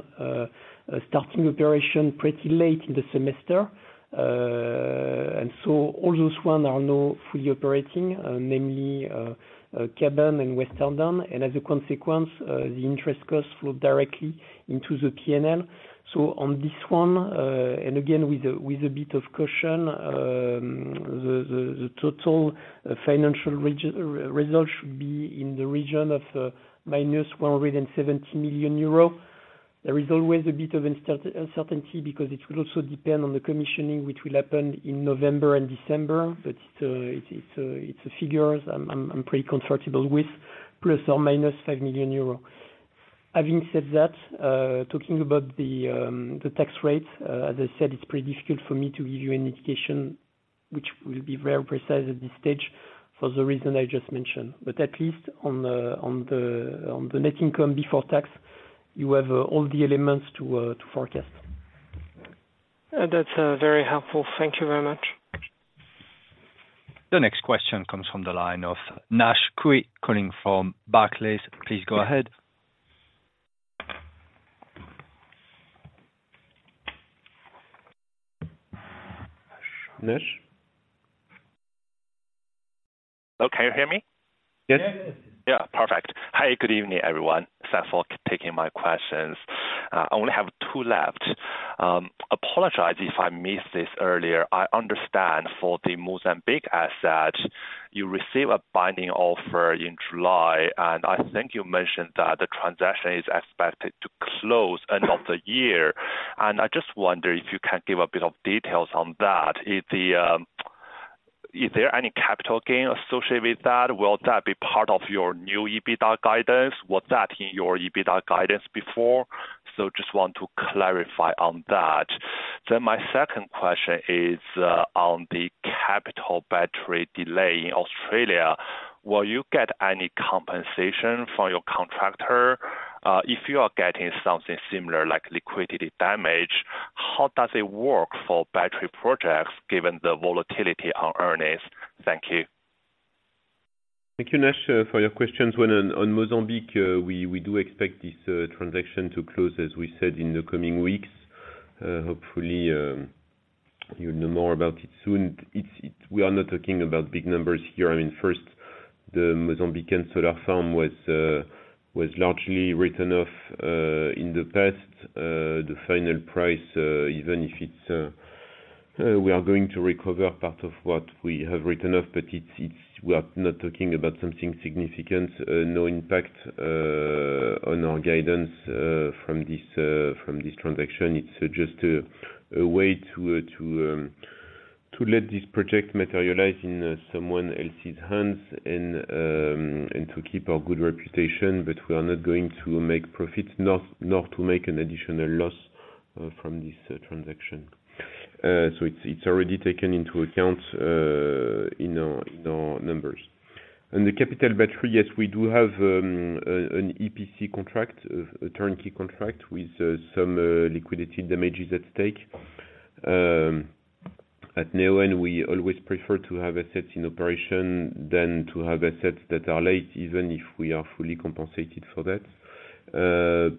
S3: starting operation pretty late in the semester. And so all those one are now fully operating, namely Kaban and Western Downs. And as a consequence, the interest costs flow directly into the P&L. So on this one, and again, with a bit of caution, the total financial result should be in the region of -170 million euro. There is always a bit of uncertainty, because it will also depend on the commissioning, which will happen in November and December. But it's the figures I'm pretty comfortable with, ±5 million euros. Having said that, talking about the tax rate, as I said, it's pretty difficult for me to give you an indication which will be very precise at this stage for the reason I just mentioned. But at least on the net income before tax, you have all the elements to forecast.
S6: That's very helpful. Thank you very much.
S1: The next question comes from the line of Naisheng Cui, calling from Barclays. Please go ahead. Naish?
S7: Hello, can you hear me?
S1: Yes.
S7: Yeah. Perfect. Hi, good evening, everyone. Thanks for taking my questions. I only have two left. Apologize if I missed this earlier. I understand for the Mozambique asset, you received a binding offer in July, and I think you mentioned that the transaction is expected to close end of the year. I just wonder if you can give a bit of details on that. Is there any capital gain associated with that? Will that be part of your new EBITDA guidance? Was that in your EBITDA guidance before? So just want to clarify on that. Then my second question is, on the Capital Battery delay in Australia. Will you get any compensation from your contractor? If you are getting something similar, like liquidated damages, how does it work for battery projects, given the volatility on earnings? Thank you.
S2: Thank you, Naish, for your questions. Well, on Mozambique, we do expect this transaction to close, as we said, in the coming weeks. Hopefully, you'll know more about it soon. We are not talking about big numbers here. I mean, first, the Mozambican solar farm was largely written off in the past. The final price, even if it's we are going to recover part of what we have written off, but it's we are not talking about something significant. No impact on our guidance from this transaction. It's just a way to let this project materialize in someone else's hands and to keep our good reputation, but we are not going to make profits, nor to make an additional loss from this transaction. So it's already taken into account in our numbers. And the Capital Battery, yes, we do have an EPC contract, a turnkey contract with some liquidated damages at stake. At Neoen, we always prefer to have assets in operation than to have assets that are late, even if we are fully compensated for that.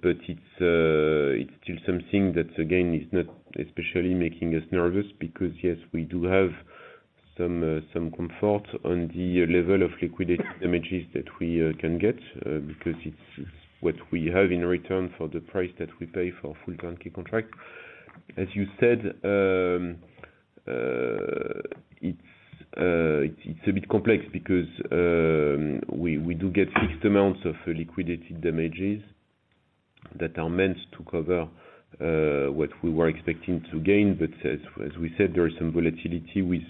S2: But it's still something that, again, is not especially making us nervous, because yes, we do have some comfort on the level of liquidated damages that we can get, because it's what we have in return for the price that we pay for full turnkey contract. As you said, it's a bit complex because we do get fixed amounts of liquidated damages that are meant to cover what we were expecting to gain. But as we said, there is some volatility with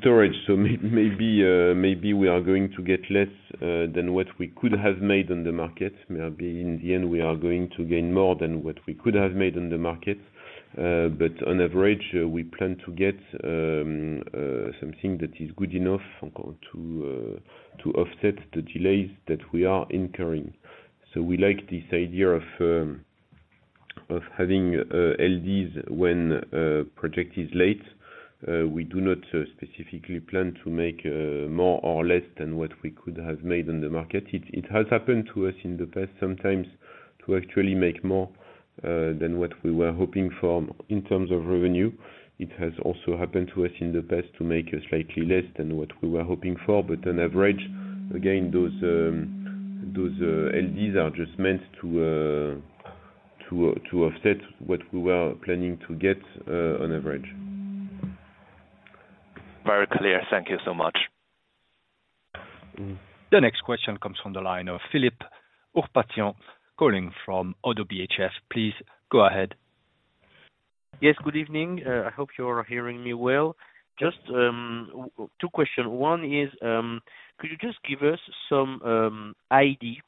S2: storage, so maybe we are going to get less than what we could have made on the market. Maybe in the end, we are going to gain more than what we could have made on the market. But on average, we plan to get something that is good enough to offset the delays that we are incurring. So we like this idea of having LDs when project is late. We do not specifically plan to make more or less than what we could have made on the market. It has happened to us in the past sometimes to actually make more than what we were hoping for in terms of revenue. It has also happened to us in the past to make slightly less than what we were hoping for, but on average, again, those LDs are just meant to offset what we were planning to get on average.
S7: Very clear. Thank you so much.
S1: The next question comes from the line of Philippe Ourpatian calling from Oddo BHF. Please go ahead.
S8: Yes. Good evening. I hope you are hearing me well. Just, two question. One is, could you just give us some idea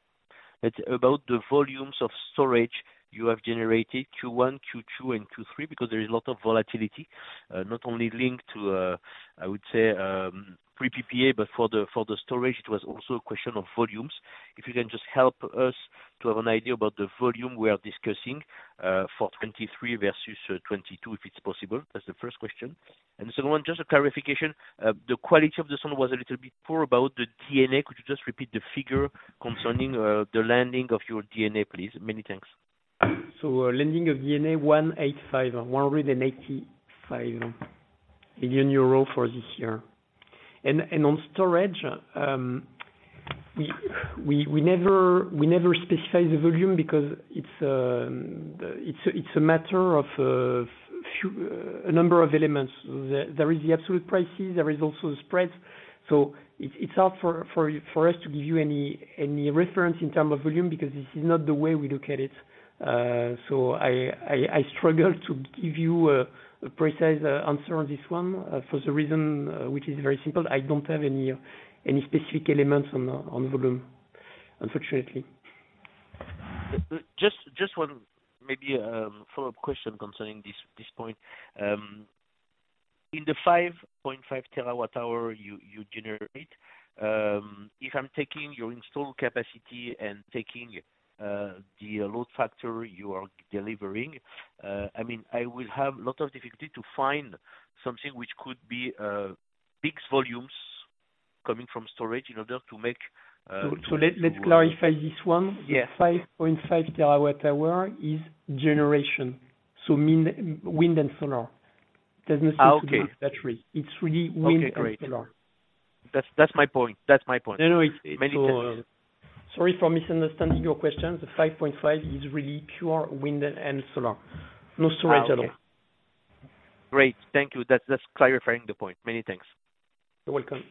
S8: about the volumes of storage you have generated Q1, Q2 and Q3? Because there is a lot of volatility, not only linked to, I would say, pre-PPA, but for the, for the storage, it was also a question of volumes. If you can just help us to have an idea about the volume we are discussing, for 2023 versus 2022, if it's possible. That's the first question. And the second one, just a clarification. The quality of the sound was a little bit poor about the D&A. Could you just repeat the figure concerning, the landing of your D&A, please? Many thanks.
S3: Landing of 185 million euro for this year. On storage, we never specify the volume because it's a matter of a number of elements. There is the absolute prices, there is also the spreads. So it's hard for us to give you any reference in terms of volume, because this is not the way we look at it. I struggle to give you a precise answer on this one for the reason which is very simple. I don't have any specific elements on volume, unfortunately.
S8: Just one maybe follow-up question concerning this point. In the 5.5 terawatt hours you generate, if I'm taking your installed capacity and the load factor you are delivering, I mean, I will have a lot of difficulty to find something which could be big volumes coming from storage in order to make.
S3: So let's clarify this one.
S8: Yes.
S3: 5.5 terawatt-hours is generation, so meaning wind and solar. There's nothing to do with battery. It's really wind and solar.
S8: That's, that's my point. That's my point. Many thanks.
S3: Sorry for misunderstanding your question. The 5.5 is really pure wind and solar. No storage at all.
S8: Ah, okay. Great, thank you. That's, that's clarifying the point. Many thanks.
S3: You're welcome.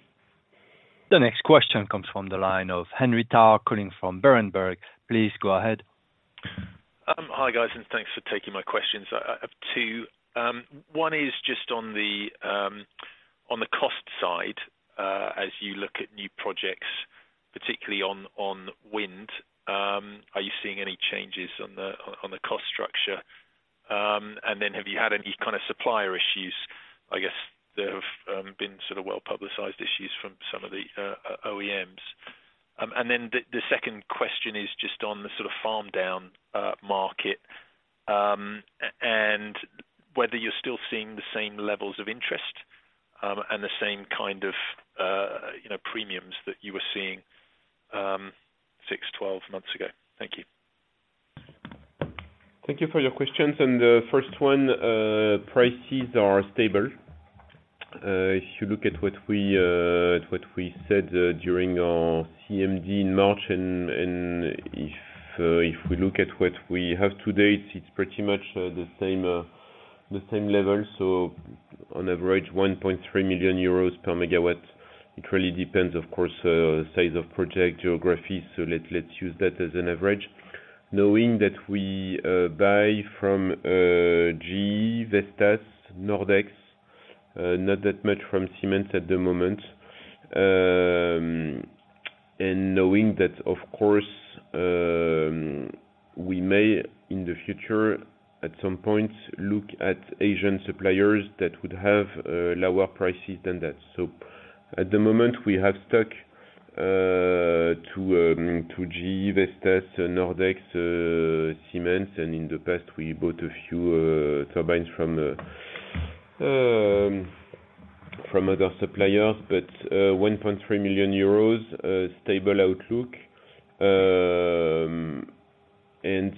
S1: The next question comes from the line of Henry Tarr, calling from Berenberg. Please go ahead.
S9: Hi, guys, and thanks for taking my questions. I have two. One is just on the cost side. As you look at new projects, particularly on wind, are you seeing any changes on the cost structure? And then have you had any kind of supplier issues? I guess there have been sort of well-publicized issues from some of the OEMs. And then the second question is just on the sort of farm down market, and whether you're still seeing the same levels of interest, and the same kind of, you know, premiums that you were seeing, six, 12 months ago. Thank you.
S2: Thank you for your questions. The first one, prices are stable. If you look at what we, what we said, during our CMD in March, and if we look at what we have to date, it's pretty much the same, the same level. So on average, 1.3 million euros per megawatt. It really depends, of course, size of project, geography, so let's use that as an average. Knowing that we buy from GE, Vestas, Nordex, not that much from Siemens at the moment. And knowing that, of course, we may, in the future, at some point, look at Asian suppliers that would have lower prices than that. So at the moment, we have stuck to GE, Vestas, Nordex, Siemens, and in the past, we bought a few turbines from other suppliers. But 1.3 million euros, a stable outlook, and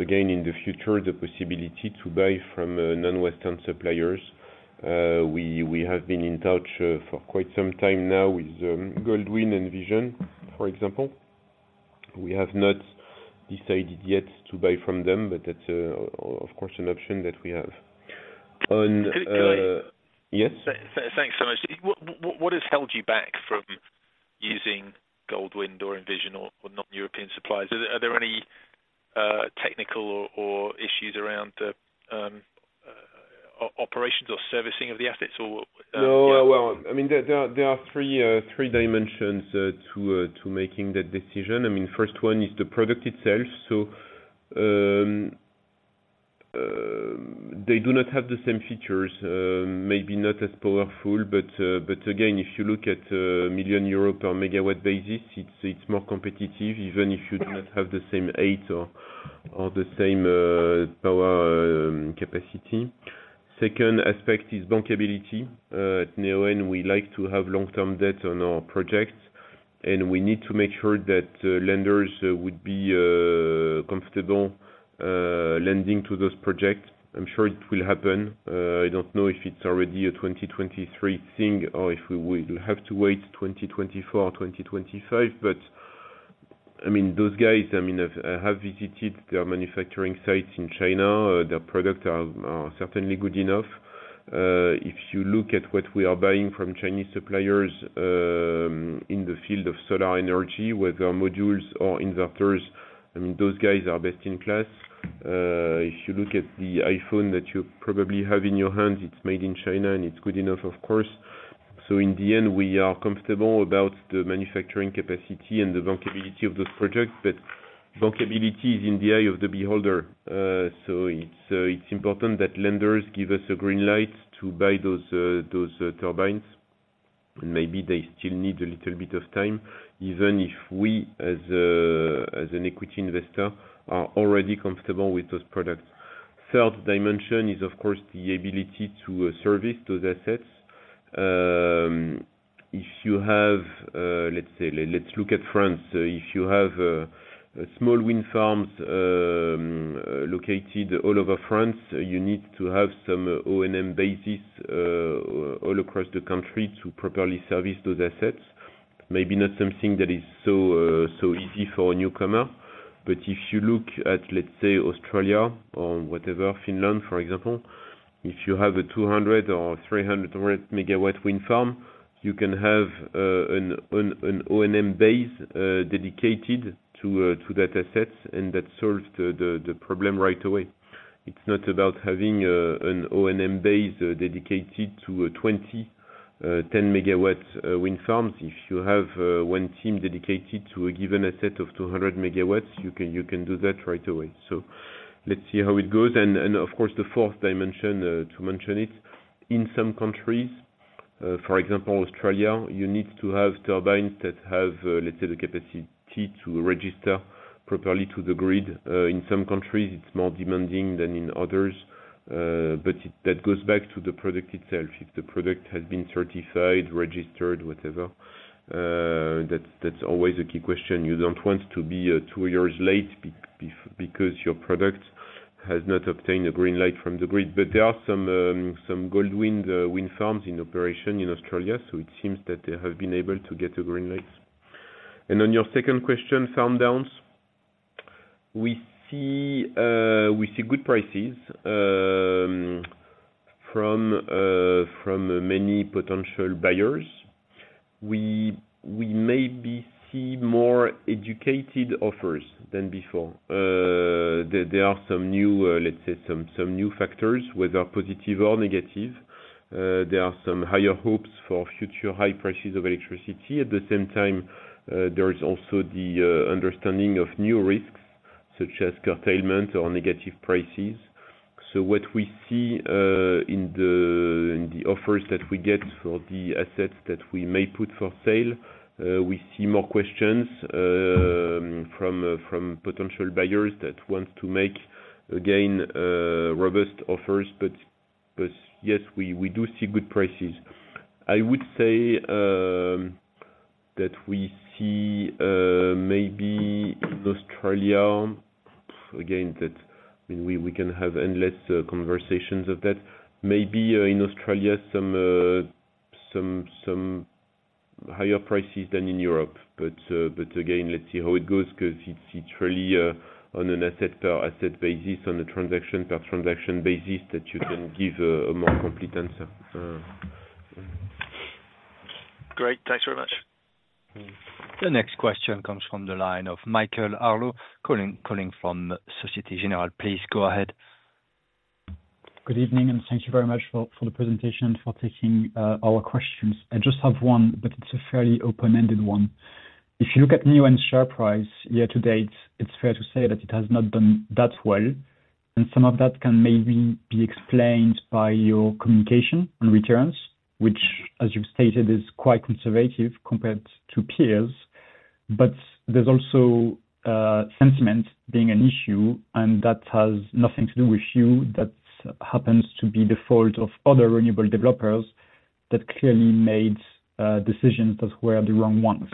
S2: again, in the future, the possibility to buy from non-Western suppliers. We have been in touch for quite some time now with Goldwind and Envision, for example. We have not decided yet to buy from them, but that's of course an option that we have.
S9: Could I?
S2: Yes.
S9: Thanks so much. What has held you back from using Goldwind or Envision or not European suppliers? Are there any technical or issues around operations or servicing of the assets?
S2: No. Well, I mean, there are three dimensions to making that decision. I mean, first one is the product itself. So, they do not have the same features, maybe not as powerful. But, again, if you look at 1 million euro per megawatt basis, it's more competitive, even if you do not have the same height or the same power capacity. Second aspect is bankability. At Neoen, we like to have long-term debt on our projects, and we need to make sure that lenders would be comfortable lending to those projects. I'm sure it will happen. I don't know if it's already a 2023 thing, or if we will have to wait 2024 or 2025. But, I mean those guys, I mean, have visited their manufacturing sites in China. Their products are certainly good enough. If you look at what we are buying from Chinese suppliers, in the field of solar energy, whether modules or inverters, I mean, those guys are best-in-class. If you look at the iPhone that you probably have in your hands, it's made in China, and it's good enough, of course. So in the end, we are comfortable about the manufacturing capacity and the bankability of those projects, but bankability is in the eye of the beholder. So it's important that lenders give us a green light to buy those turbines. And maybe they still need a little bit of time, even if we, as an equity investor, are already comfortable with those products. Third dimension is, of course, the ability to service those assets. If you have let's say, let's look at France. If you have a small wind farms located all over France, you need to have some O&M bases all across the country to properly service those assets. Maybe not something that is so, so easy for a newcomer. But if you look at, let's say, Australia or whatever, Finland, for example, if you have a 200 or 300-megawatt wind farm, you can have an O&M base dedicated to that asset, and that solves the problem right away. It's not about having an O&M base dedicated to a 20 or 10-megawatts wind farms. If you have one team dedicated to a given asset of 200 MW, you can do that right away. So let's see how it goes. And of course, the fourth dimension to mention it, in some countries, for example, Australia, you need to have turbines that have, let's say, the capacity to register properly to the grid. In some countries, it's more demanding than in others. But that goes back to the product itself. If the product has been certified, registered, whatever, that's always a key question. You don't want to be 2 years late because your product has not obtained a green light from the grid. But there are some Goldwind wind farms in operation in Australia, so it seems that they have been able to get a green light. Then your second question, farm downs. We see good prices from many potential buyers. We maybe see more educated offers than before. There are some new, let's say some new factors, whether positive or negative. There are some higher hopes for future high prices of electricity. At the same time, there is also the understanding of new risks, such as curtailment or negative prices. So what we see in the offers that we get for the assets that we may put for sale, we see more questions from potential buyers that want to make, again, robust offers. But yes, we do see good prices. I would say that we see maybe in Australia, again, that I mean, we can have endless conversations of that. Maybe in Australia, some higher prices than in Europe. But again, let's see how it goes, 'cause it's really on an asset-per-asset basis, on a transaction-per-transaction basis, that you can give a more complete answer.
S9: Great. Thanks very much.
S1: The next question comes from the line of Mikael Jakobs, calling from Société Générale. Please go ahead.
S10: Good evening, and thank you very much for the presentation and for taking our questions. I just have one, but it's a fairly open-ended one. If you look at Neoen share price year to date, it's fair to say that it has not done that well, and some of that can maybe be explained by your communication on returns, which, as you've stated, is quite conservative compared to peers. But there's also sentiment being an issue, and that has nothing to do with you. That happens to be the fault of other renewable developers that clearly made decisions that were the wrong ones.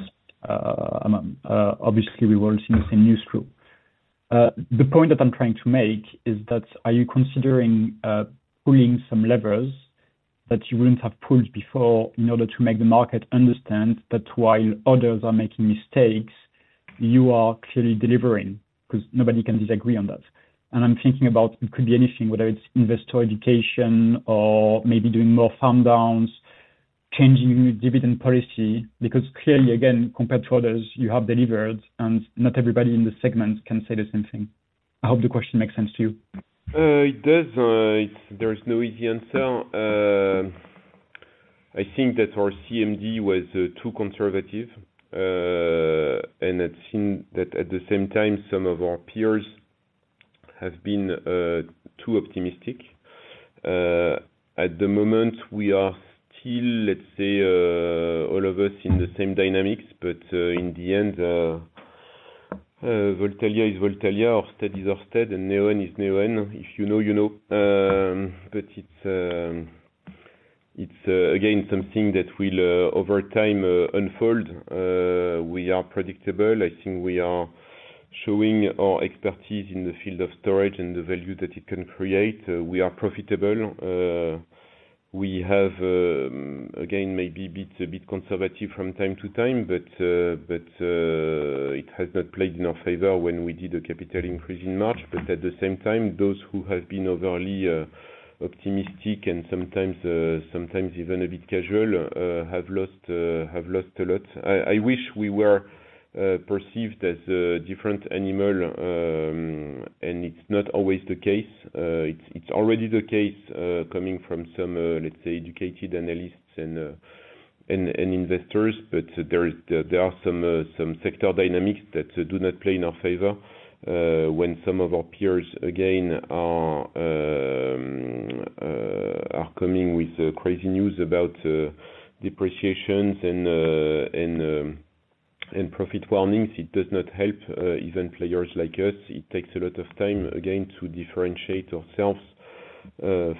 S10: Obviously, we were all seeing the same news crew. The point that I'm trying to make is that, are you considering pulling some levers that you wouldn't have pulled before, in order to make the market understand that while others are making mistakes, you are clearly delivering, 'cause nobody can disagree on that. And I'm thinking about it could be anything, whether it's investor education or maybe doing more farm downs, changing dividend policy, because clearly, again, compared to others, you have delivered, and not everybody in this segment can say the same thing. I hope the question makes sense to you.
S2: It does. There is no easy answer. I think that our CMD was too conservative. And it seemed that at the same time, some of our peers have been too optimistic. At the moment, we are still, let's say, all of us in the same dynamics, but in the end, Voltalia is Voltalia, Ørsted is Ørsted, and Neoen is Neoen. If you know, you know. But it's again something that will over time unfold. We are predictable. I think we are showing our expertise in the field of storage and the value that it can create. We are profitable. We have again, maybe a bit conservative from time to time, but it has not played in our favor when we did a capital increase in March. But at the same time, those who have been overly optimistic and sometimes even a bit casual have lost a lot. I wish we were perceived as a different animal, and it's not always the case. It's already the case coming from some, let's say, educated analysts and investors. But there are some sector dynamics that do not play in our favor, when some of our peers, again, are coming with crazy news about depreciations and profit warnings, it does not help even players like us. It takes a lot of time, again, to differentiate ourselves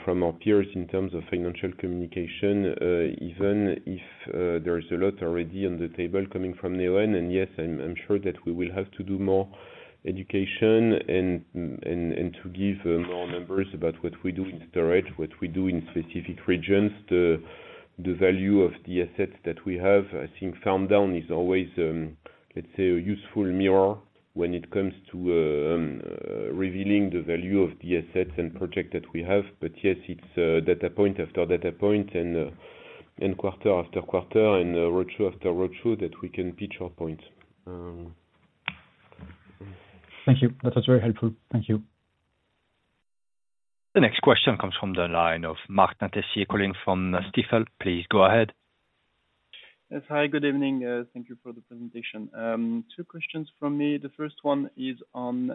S2: from our peers in terms of financial communication, even if there is a lot already on the table coming from Neoen. And yes, I'm sure that we will have to do more education and to give more numbers about what we do in storage, what we do in specific regions, the value of the assets that we have. I think farm down is always, let's say, a useful mirror when it comes to, revealing the value of the assets and project that we have. But yes, it's, data point after data point and, and quarter after quarter, and, roadshow after roadshow that we can pitch our point.
S10: Thank you. That was very helpful. Thank you.
S1: The next question comes from the line of Martin Tessier calling from Stifel. Please go ahead.
S11: Yes. Hi, good evening. Thank you for the presentation. Two questions from me. The first one is on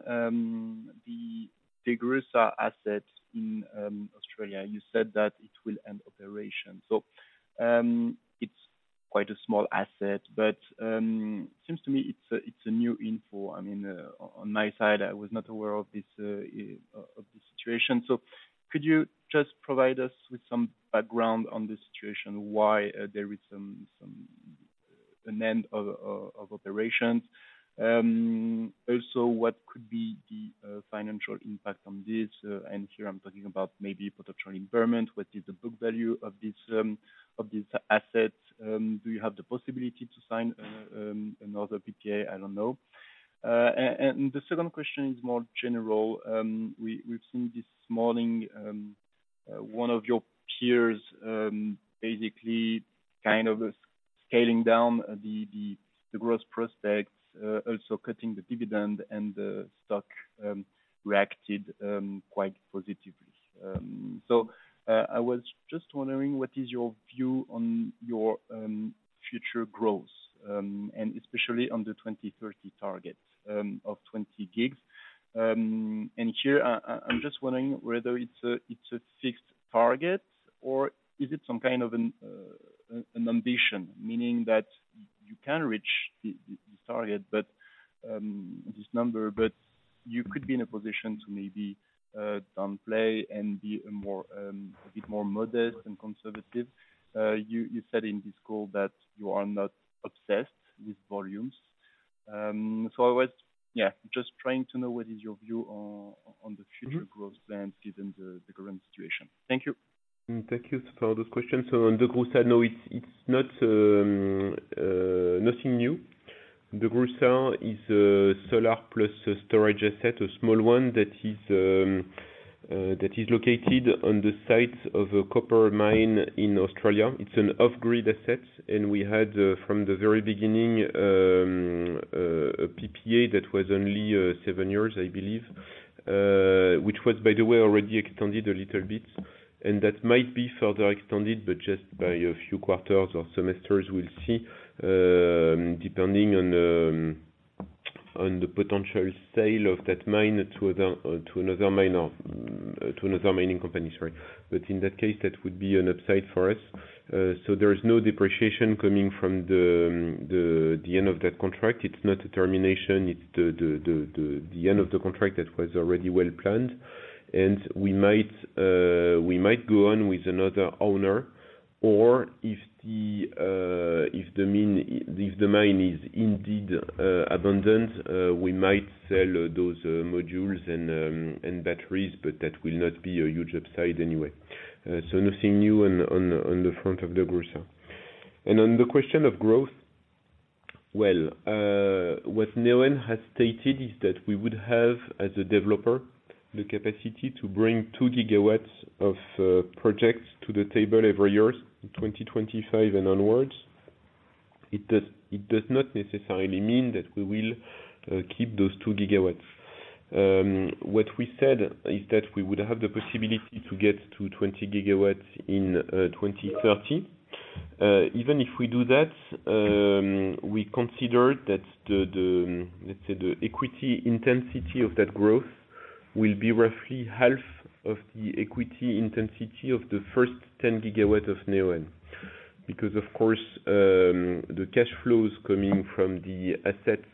S11: the DeGrussa asset in Australia. You said that it will end operation. So, it's quite a small asset, but seems to me it's a, it's a new info. I mean, on my side, I was not aware of this of this situation. So could you just provide us with some background on this situation? Why there is some, some, an end of, of, of operations? Also, what could be the financial impact on this? And here I'm talking about maybe potential impairment. What is the book value of this of this asset? Do you have the possibility to sign another PPA? I don't know. And the second question is more general. We've seen this morning one of your peers basically kind of scaling down the growth prospects, also cutting the dividend and the stock reacted quite positively. So, I was just wondering, what is your view on your future growth? And especially on the 2030 target of 20 GW. And here, I'm just wondering whether it's a fixed target or is it some kind of an ambition, meaning that you can reach this target, but this number, but you could be in a position to maybe downplay and be a bit more modest and conservative. You said in this call that you are not obsessed with volumes. So, I was just trying to know what is your view on the future growth then, given the current situation? Thank you.
S2: Thank you for those questions. So on DeGrussa, no, it's not nothing new. DeGrussa is a solar plus storage asset, a small one that is located on the site of a copper mine in Australia. It's an off-grid asset, and we had from the very beginning a PPA that was only 7 years, I believe, which was, by the way, already extended a little bit. And that might be further extended, but just by a few quarters or semesters, we'll see. Depending on the potential sale of that mine to another mining company, sorry. But in that case, that would be an upside for us. So there is no depreciation coming from the end of that contract. It's not a termination, it's the end of the contract that was already well planned. We might go on with another owner, or if the mine is indeed abandoned, we might sell those modules and batteries, but that will not be a huge upside anyway. So nothing new on the front of DeGrussa. And on the question of growth well, what Neoen has stated is that we would have, as a developer, the capacity to bring 2 gigawatts of projects to the table every year, 2025 and onwards. It does not necessarily mean that we will keep those 2 gigawatts. What we said is that we would have the possibility to get to 20 gigawatts in 2030. Even if we do that, we consider that the, the, let's say, the equity intensity of that growth will be roughly half of the equity intensity of the first 10 gigawatt of Neoen. Because, of course, the cash flows coming from the assets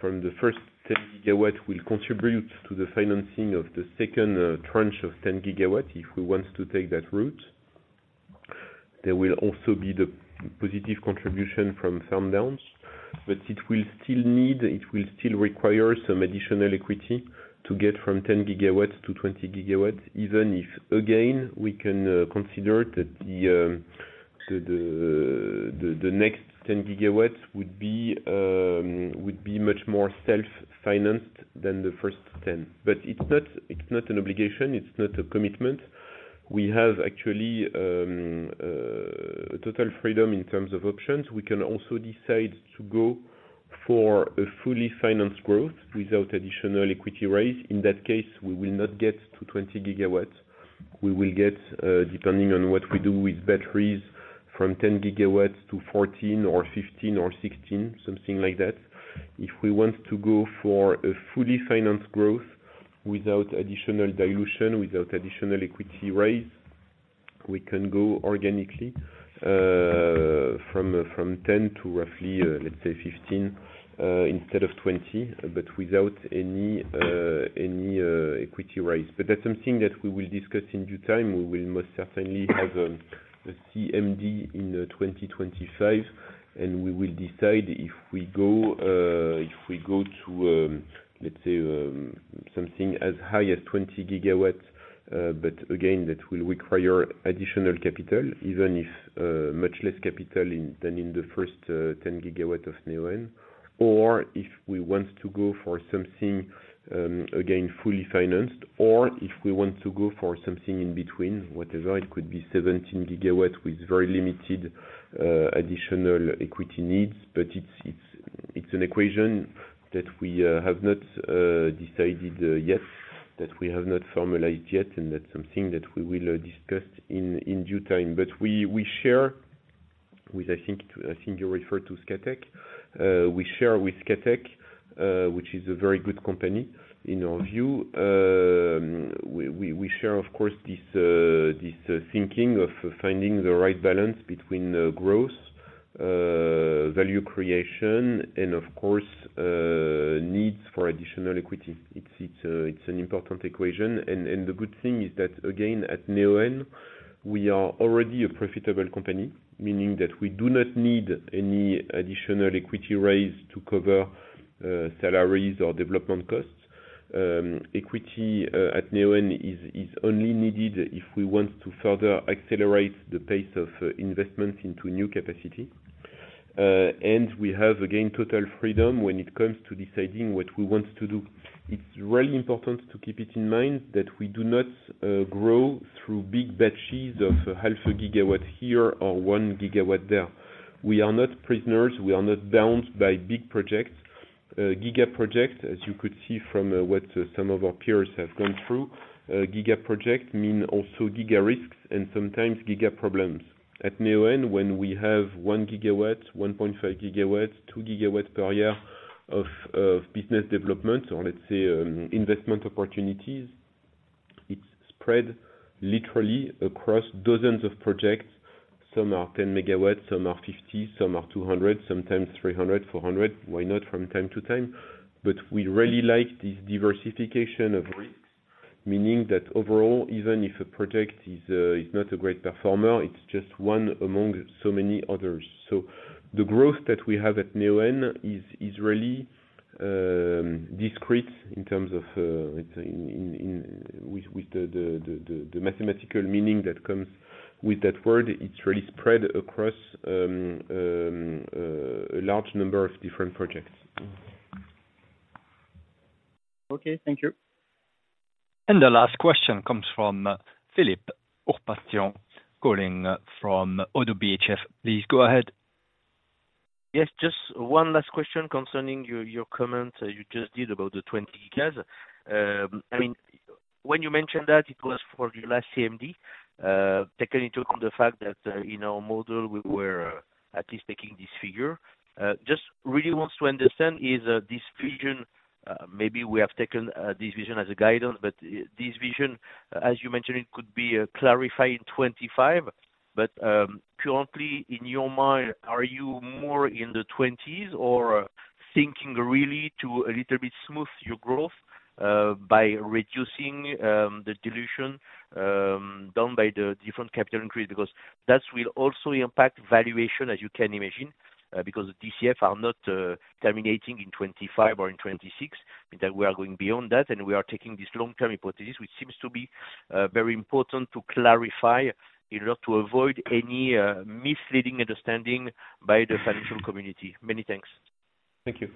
S2: from the first 10 gigawatt will contribute to the financing of the second tranche of 10 gigawatt, if we want to take that route. There will also be the positive contribution from farm downs, but it will still need. It will still require some additional equity to get from 10 gigawatts to 20 gigawatts. Even if, again, we can consider that the, the, the, the next 10 gigawatts would be, would be much more self-financed than the first 10. But it's not, it's not an obligation, it's not a commitment. We have actually total freedom in terms of options. We can also decide to go for a fully financed growth without additional equity raise. In that case, we will not get to 20 gigawatts. We will get, depending on what we do with batteries, from 10 gigawatts to 14 or 15 or 16, something like that. If we want to go for a fully financed growth without additional dilution, without additional equity raise, we can go organically, from 10 to roughly, let's say 15, instead of 20, but without any equity raise. But that's something that we will discuss in due time. We will most certainly have a CMD in 2025, and we will decide if we go, if we go to, let's say, something as high as 20 gigawatts. But again, that will require additional capital, even if much less capital than in the first 10 GW of Neoen. Or if we want to go for something again fully financed, or if we want to go for something in between, whatever, it could be 17 GW with very limited additional equity needs. But it's an equation that we have not decided yet, that we have not formalized yet, and that's something that we will discuss in due time. But we share with, I think you referred to Scatec. We share with Scatec, which is a very good company in our view. We share, of course, this thinking of finding the right balance between growth, value creation, and of course, needs for additional equity. It's an important equation. And the good thing is that, again, at Neoen, we are already a profitable company, meaning that we do not need any additional equity raise to cover salaries or development costs. Equity at Neoen is only needed if we want to further accelerate the pace of investment into new capacity. And we have, again, total freedom when it comes to deciding what we want to do. It's really important to keep it in mind that we do not grow through big batches of 0.5 gigawatt here or 1 gigawatt there. We are not prisoners. We are not bound by big projects. Giga projects, as you could see from what some of our peers have gone through, giga projects mean also giga risks and sometimes giga problems. At Neoen, when we have 1 gigawatt, 1.5 gigawatts, 2 gigawatts per year of business development, or let's say, investment opportunities, it's spread literally across dozens of projects. Some are 10 megawatts, some are 50, some are 200, sometimes 300, 400, why not from time to time? But we really like this diversification of risks, meaning that overall, even if a project is not a great performer, it's just one among so many others. So the growth that we have at Neoen is really discrete in terms of, let's say, with the mathematical meaning that comes with that word. It's really spread across a large number of different projects.
S8: Okay, thank you.
S1: The last question comes from Philippe Ourpatian calling from Oddo BHF. Please go ahead.
S8: Yes, just one last question concerning your, your comment you just did about the 20 gigas. I mean, when you mentioned that, it was for the last CMD, taking into account the fact that in our model, we were at least taking this figure. Just really wants to understand, is this vision, maybe we have taken this vision as a guidance, but this vision, as you mentioned, it could be clarified in 2025. But currently, in your mind, are you more in the 20s or thinking really to a little bit smooth your growth by reducing the dilution done by the different capital increase? Because that will also impact valuation, as you can imagine, because the DCF are not terminating in 25 or in 2026, means that we are going beyond that, and we are taking this long-term hypothesis, which seems to be very important to clarify, in order to avoid any misleading understanding by the financial community. Many thanks.
S2: .Thank you.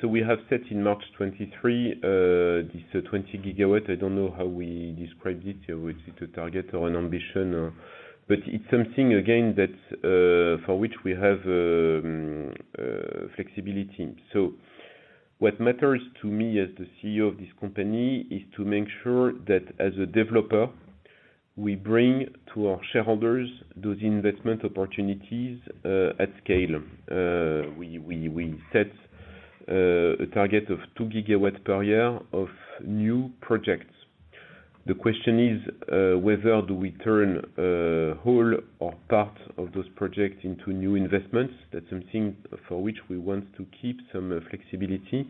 S2: So we have set in March 2023, this, 20 gigawatt. I don't know how we described it, whether it's a target or an ambition or—but it's something, again, that, for which we have, flexibility. So what matters to me as the CEO of this company, is to make sure that as a developer, we bring to our shareholders those investment opportunities, at scale. We set a target of 2 gigawatts per year of new projects. The question is, whether do we turn, whole or parts of those projects into new investments? That's something for which we want to keep some flexibility.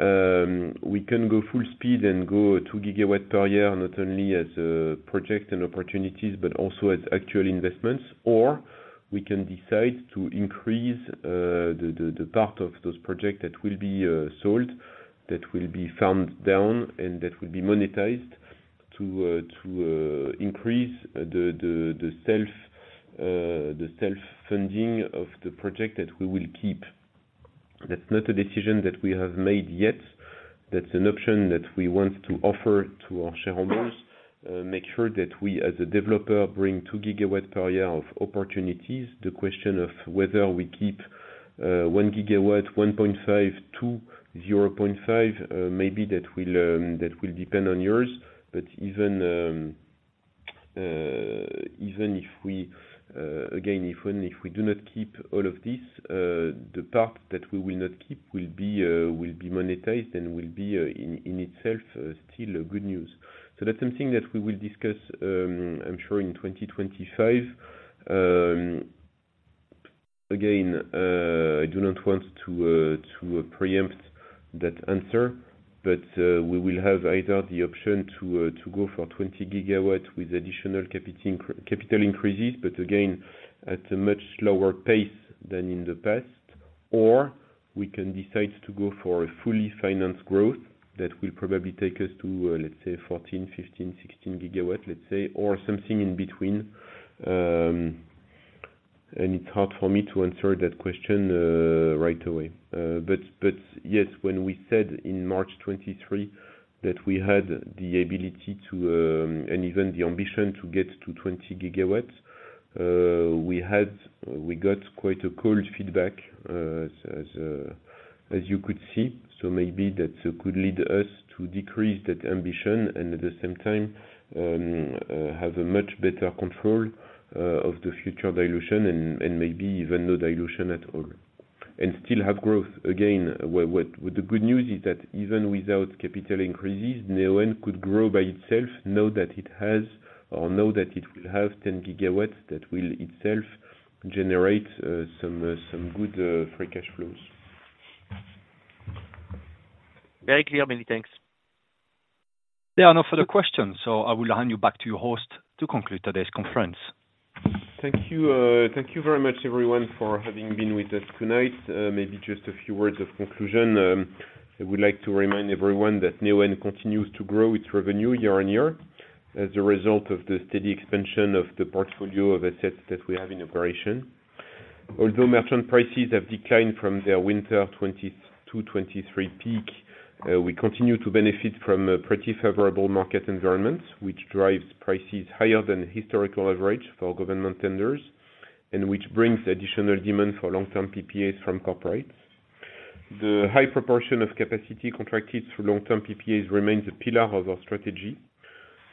S2: We can go full speed and go 2 gigawatt per year, not only as, projects and opportunities, but also as actual investments. Or we can decide to increase the part of those projects that will be sold, that will be farm down, and that will be monetized to increase the self-funding of the project that we will keep. That's not a decision that we have made yet. That's an option that we want to offer to our shareholders. Make sure that we, as a developer, bring 2 gigawatt per year of opportunities. The question of whether we keep 1 gigawatt, 1.5, 2, 0.5, maybe that will depend on years. But even if we, again, even if we do not keep all of this, the part that we will not keep will be monetized and will be, in itself, still a good news. So that's something that we will discuss, I'm sure in 2025. Again, I do not want to preempt that answer, but we will have either the option to go for 20 GW with additional capital increases, but again, at a much slower pace than in the past. Or we can decide to go for a fully financed growth that will probably take us to, let's say, 14, 15, 16 GW, let's say, or something in between. And it's hard for me to answer that question right away. But yes, when we said in March 2023 that we had the ability to, and even the ambition to get to 20 gigawatts, we got quite a cold feedback, as you could see. So maybe that could lead us to decrease that ambition, and at the same time, have a much better control, of the future dilution and, and maybe even no dilution at all, and still have growth. Again, the good news is that even without capital increases, Neoen could grow by itself, now that it has, or now that it will have 10 gigawatts, that will itself generate, some good free cash flows.
S8: Very clear. Many thanks.
S1: There are no further questions, so I will hand you back to your host to conclude today's conference.
S2: Thank you. Thank you very much, everyone, for having been with us tonight. Maybe just a few words of conclusion. I would like to remind everyone that Neoen continues to grow its revenue year on year, as a result of the steady expansion of the portfolio of assets that we have in operation. Although merchant prices have declined from their winter 2022/2023 peak, we continue to benefit from a pretty favorable market environment, which drives prices higher than historical average for government tenders, and which brings additional demand for long-term PPAs from corporates. The high proportion of capacity contracted through long-term PPAs remains a pillar of our strategy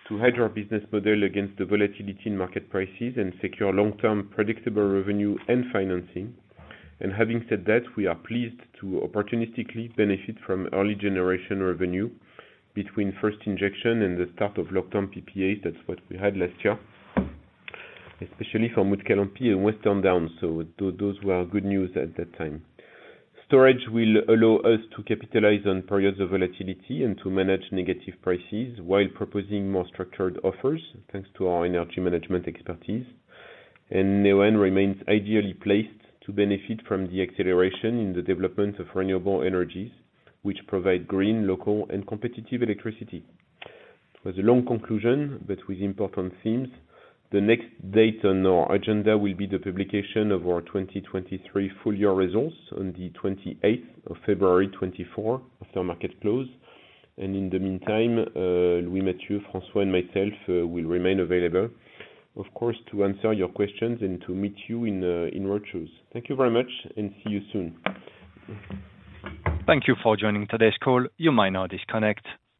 S2: to hedge our business model against the volatility in market prices and secure long-term predictable revenue and financing. And having said that, we are pleased to opportunistically benefit from early generation revenue between first injection and the start of long-term PPAs. That's what we had last year, especially from Mutkalampi and Western Downs. So those were good news at that time. Storage will allow us to capitalize on periods of volatility and to manage negative prices while proposing more structured offers, thanks to our energy management expertise. And Neoen remains ideally placed to benefit from the acceleration in the development of renewable energies, which provide green, local, and competitive electricity. It was a long conclusion, but with important themes. The next date on our agenda will be the publication of our 2023 full year results on the twenty-eighth of February 2024, after market close. In the meantime, Louis-Mathieu, François and myself will remain available, of course, to answer your questions and to meet you in roadshows. Thank you very much, and see you soon.
S1: Thank you for joining today's call. You may now disconnect.